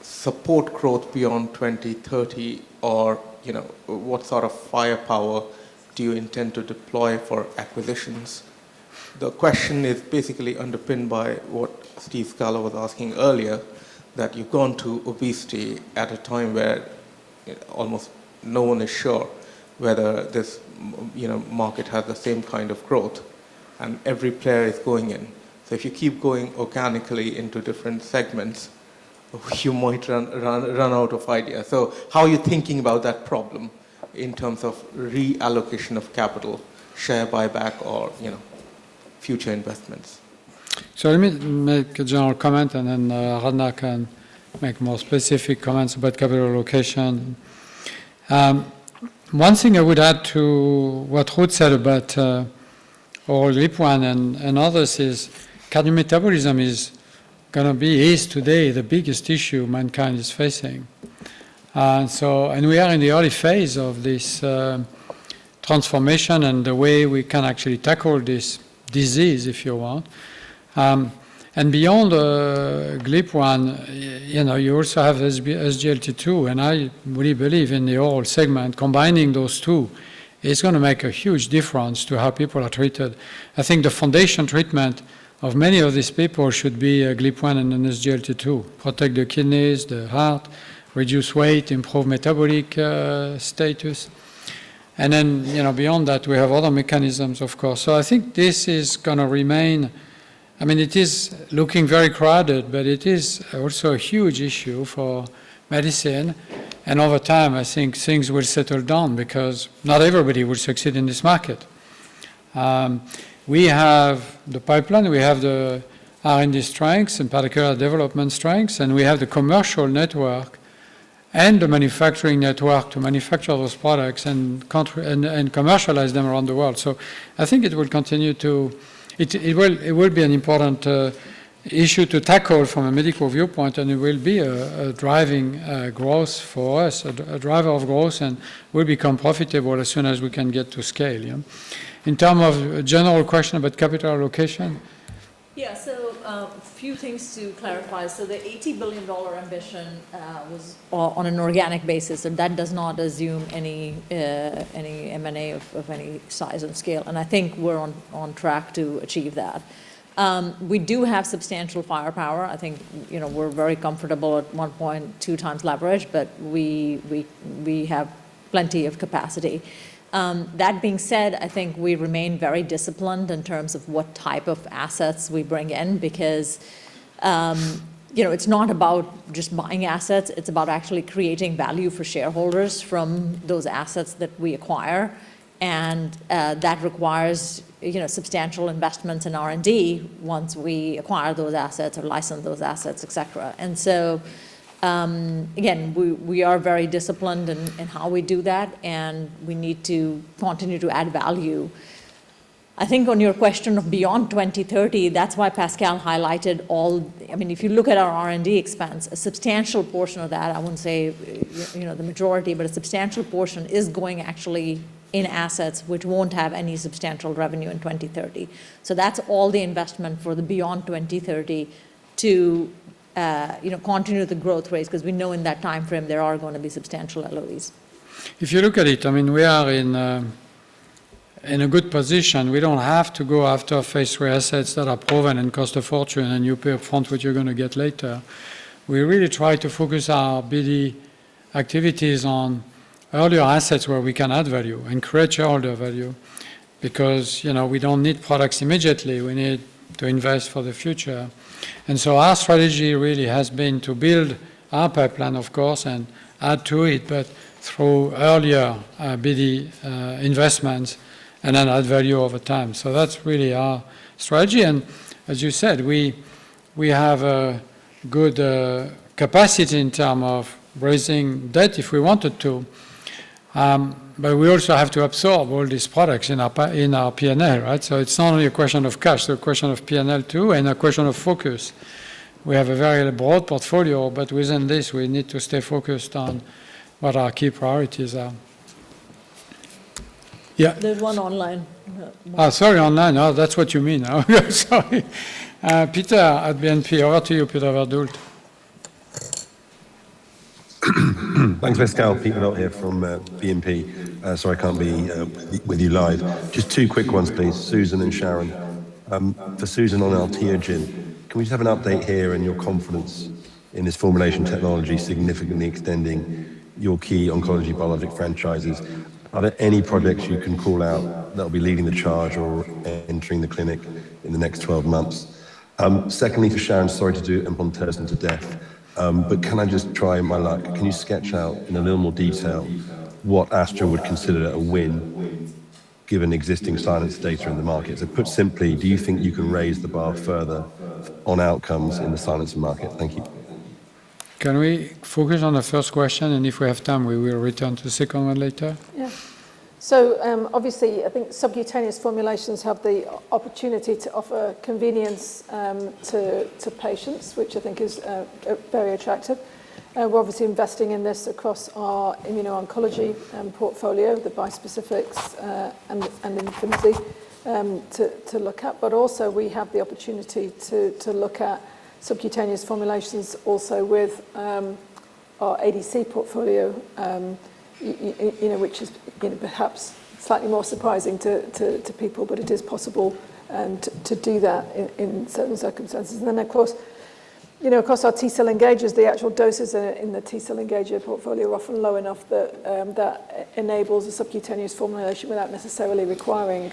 support growth beyond 2030, or what sort of firepower do you intend to deploy for acquisitions? The question is basically underpinned by what Steve Scala was asking earlier, that you've gone to obesity at a time where almost no one is sure whether this market has the same kind of growth, and every player is going in. So if you keep going organically into different segments, you might run out of ideas. How are you thinking about that problem in terms of reallocation of capital, share buyback, or future investments? So let me make a general comment, and then Aradhana can make more specific comments about capital allocation. One thing I would add to what Ruud said about our GLP-1 and others is, cardiometabolic is going to be, is today, the biggest issue mankind is facing. We are in the early phase of this transformation and the way we can actually tackle this disease, if you want. Beyond GLP-1, you also have SGLT2. I really believe in the oral segment. Combining those two is going to make a huge difference to how people are treated. I think the foundation treatment of many of these people should be GLP-1 and then SGLT2. Protect the kidneys, the heart, reduce weight, improve metabolic status. Then beyond that, we have other mechanisms, of course. So, I think this is going to remain—I mean, it is looking very crowded, but it is also a huge issue for medicine. And over time, I think things will settle down because not everybody will succeed in this market. We have the pipeline. We have the R&D strengths and particular development strengths. And we have the commercial network and the manufacturing network to manufacture those products and commercialize them around the world. So, I think it will continue to—it will be an important issue to tackle from a medical viewpoint, and it will be a driving growth for us, a driver of growth, and will become profitable as soon as we can get to scale. In terms of general question about capital allocation? Yeah. So a few things to clarify. So the $80 billion ambition was on an organic basis, and that does not assume any M&A of any size and scale. And I think we're on track to achieve that. We do have substantial firepower. I think we're very comfortable at 1.2x leverage, but we have plenty of capacity. That being said, I think we remain very disciplined in terms of what type of assets we bring in because it's not about just buying assets. It's about actually creating value for shareholders from those assets that we acquire. And that requires substantial investments in R&D once we acquire those assets or license those assets, etc. And so again, we are very disciplined in how we do that, and we need to continue to add value. I think on your question of beyond 2030, that's why Pascal highlighted all. I mean, if you look at our R&D expense, a substantial portion of that I wouldn't say the majority, but a substantial portion is going actually in assets which won't have any substantial revenue in 2030. So that's all the investment for the beyond 2030 to continue the growth rates because we know in that time frame, there are going to be substantial LOEs. If you look at it, I mean, we are in a good position. We don't have to go after a phase where assets that are proven and cost a fortune and you pay upfront, which you're going to get later. We really try to focus our BD activities on earlier assets where we can add value, encourage earlier value because we don't need products immediately. We need to invest for the future. And so our strategy really has been to build our pipeline, of course, and add to it, but through earlier BD investments and then add value over time. So that's really our strategy. And as you said, we have a good capacity in terms of raising debt if we wanted to. But we also have to absorb all these products in our P&L, right? So it's not only a question of cash. It's a question of P&L too and a question of focus. We have a very broad portfolio, but within this, we need to stay focused on what our key priorities are. Yeah. There's one online. Oh, sorry. Online. Oh, that's what you mean. Sorry. Peter, at BNP. Over to you, Peter Verdult. Thanks, Pascal. Peter Verdult here from BNP. Sorry I can't be with you live. Just two quick ones, please. Susan and Sharon. For Susan on Alteogen, can we just have an update here and your confidence in this formulation technology significantly extending your key oncology biologic franchises? Are there any projects you can call out that will be leading the charge or entering the clinic in the next 12 months? Secondly, for Sharon, sorry to do and eplontersen to death. But can I just try my luck? Can you sketch out in a little more detail what Astra would consider a win given existing science data in the market? So put simply, do you think you can raise the bar further on outcomes in the science market? Thank you. Can we focus on the first question? If we have time, we will return to the second one later. Yeah. So obviously, I think subcutaneous formulations have the opportunity to offer convenience to patients, which I think is very attractive. We're obviously investing in this across our immuno-oncology portfolio, the bispecifics and Imfinzi, to look at. But also, we have the opportunity to look at subcutaneous formulations also with our ADC portfolio, which is perhaps slightly more surprising to people, but it is possible to do that in certain circumstances. And then, of course, across our T-cell engagers, the actual doses in the T-cell engager portfolio are often low enough that enables a subcutaneous formulation without necessarily requiring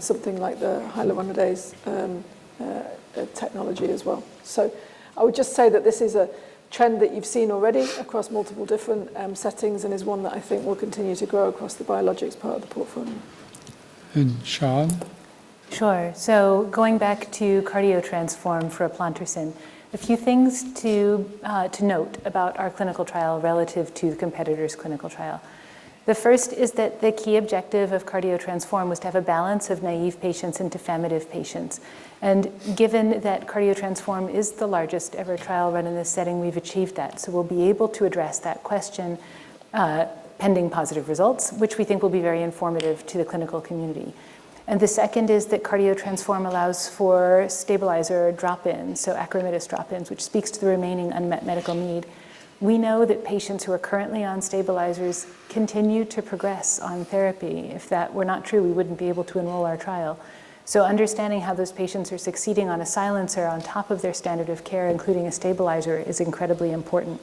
something like the hyaluronidase technology as well. So I would just say that this is a trend that you've seen already across multiple different settings and is one that I think will continue to grow across the biologics part of the portfolio. And Sharon? Sure. So going back to Cardiotransform for a Ponterston, a few things to note about our clinical trial relative to the competitor's clinical trial. The first is that the key objective of Cardiotransform was to have a balance of naïve patients and decompensated patients. And given that Cardiotransform is the largest ever trial run in this setting, we've achieved that. So we'll be able to address that question pending positive results, which we think will be very informative to the clinical community. And the second is that Cardiotransform allows for stabilizer drop-ins, so AR&I drop-ins, which speaks to the remaining unmet medical need. We know that patients who are currently on stabilizers continue to progress on therapy. If that were not true, we wouldn't be able to enroll our trial. So understanding how those patients are succeeding on a silencer on top of their standard of care, including a stabilizer, is incredibly important.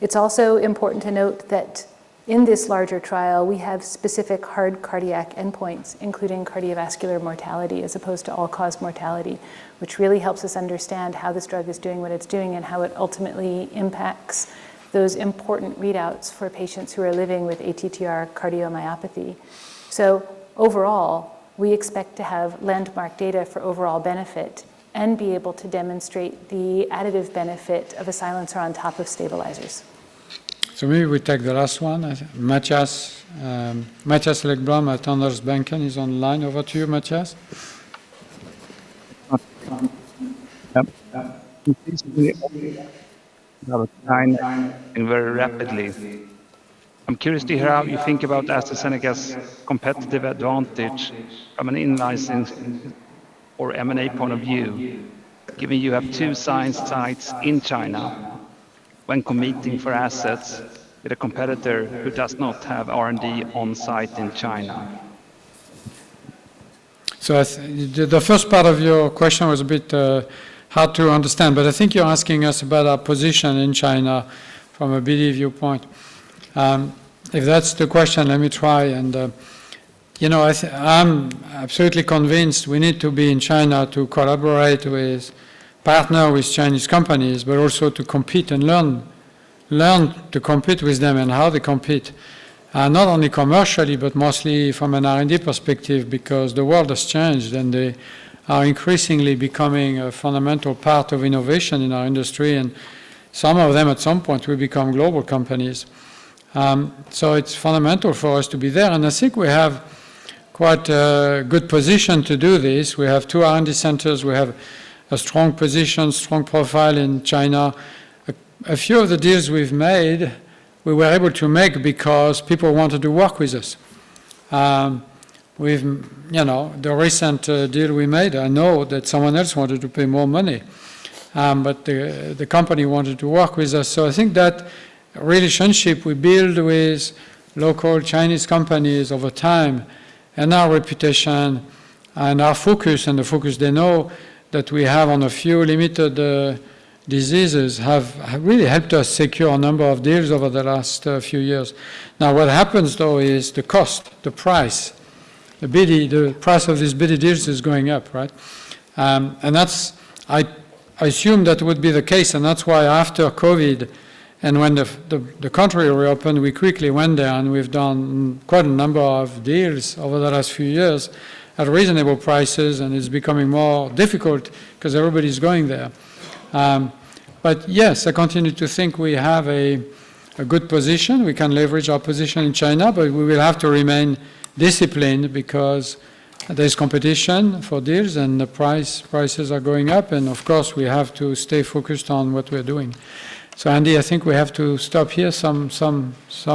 It's also important to note that in this larger trial, we have specific hard cardiac endpoints, including cardiovascular mortality as opposed to all-cause mortality, which really helps us understand how this drug is doing what it's doing and how it ultimately impacts those important readouts for patients who are living with ATTR cardiomyopathy. So overall, we expect to have landmark data for overall benefit and be able to demonstrate the additive benefit of a silencer on top of stabilizers. Maybe we take the last one. Mattias Häggblom at Handelsbanken is online. Over to you, Mattias. Yep. Yep. You basically only have a China. Very rapidly. I'm curious to hear how you think about AstraZeneca's competitive advantage from an in-licensing or M&A point of view, given you have two science sites in China when competing for assets with a competitor who does not have R&D on site in China? So the first part of your question was a bit hard to understand, but I think you're asking us about our position in China from a BD viewpoint. If that's the question, let me try. And I'm absolutely convinced we need to be in China to collaborate with partner with Chinese companies, but also to compete and learn to compete with them and how they compete, not only commercially, but mostly from an R&D perspective because the world has changed, and they are increasingly becoming a fundamental part of innovation in our industry. And some of them, at some point, will become global companies. It's fundamental for us to be there. I think we have quite a good position to do this. We have two R&D centers. We have a strong position, strong profile in China. A few of the deals we've made, we were able to make because people wanted to work with us. With the recent deal we made, I know that someone else wanted to pay more money, but the company wanted to work with us. I think that relationship we build with local Chinese companies over time and our reputation and our focus and the focus they know that we have on a few limited diseases have really helped us secure a number of deals over the last few years. Now, what happens, though, is the cost, the price. The price of these BD deals is going up, right? I assume that would be the case. And that's why after COVID and when the country reopened, we quickly went there, and we've done quite a number of deals over the last few years at reasonable prices. And it's becoming more difficult because everybody's going there. But yes, I continue to think we have a good position. We can leverage our position in China, but we will have to remain disciplined because there's competition for deals, and the prices are going up. And of course, we have to stay focused on what we're doing. So Andy, I think we have to stop here. Some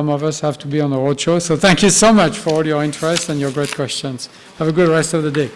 of us have to be on the roadshow. So thank you so much for all your interest and your great questions. Have a good rest of the day.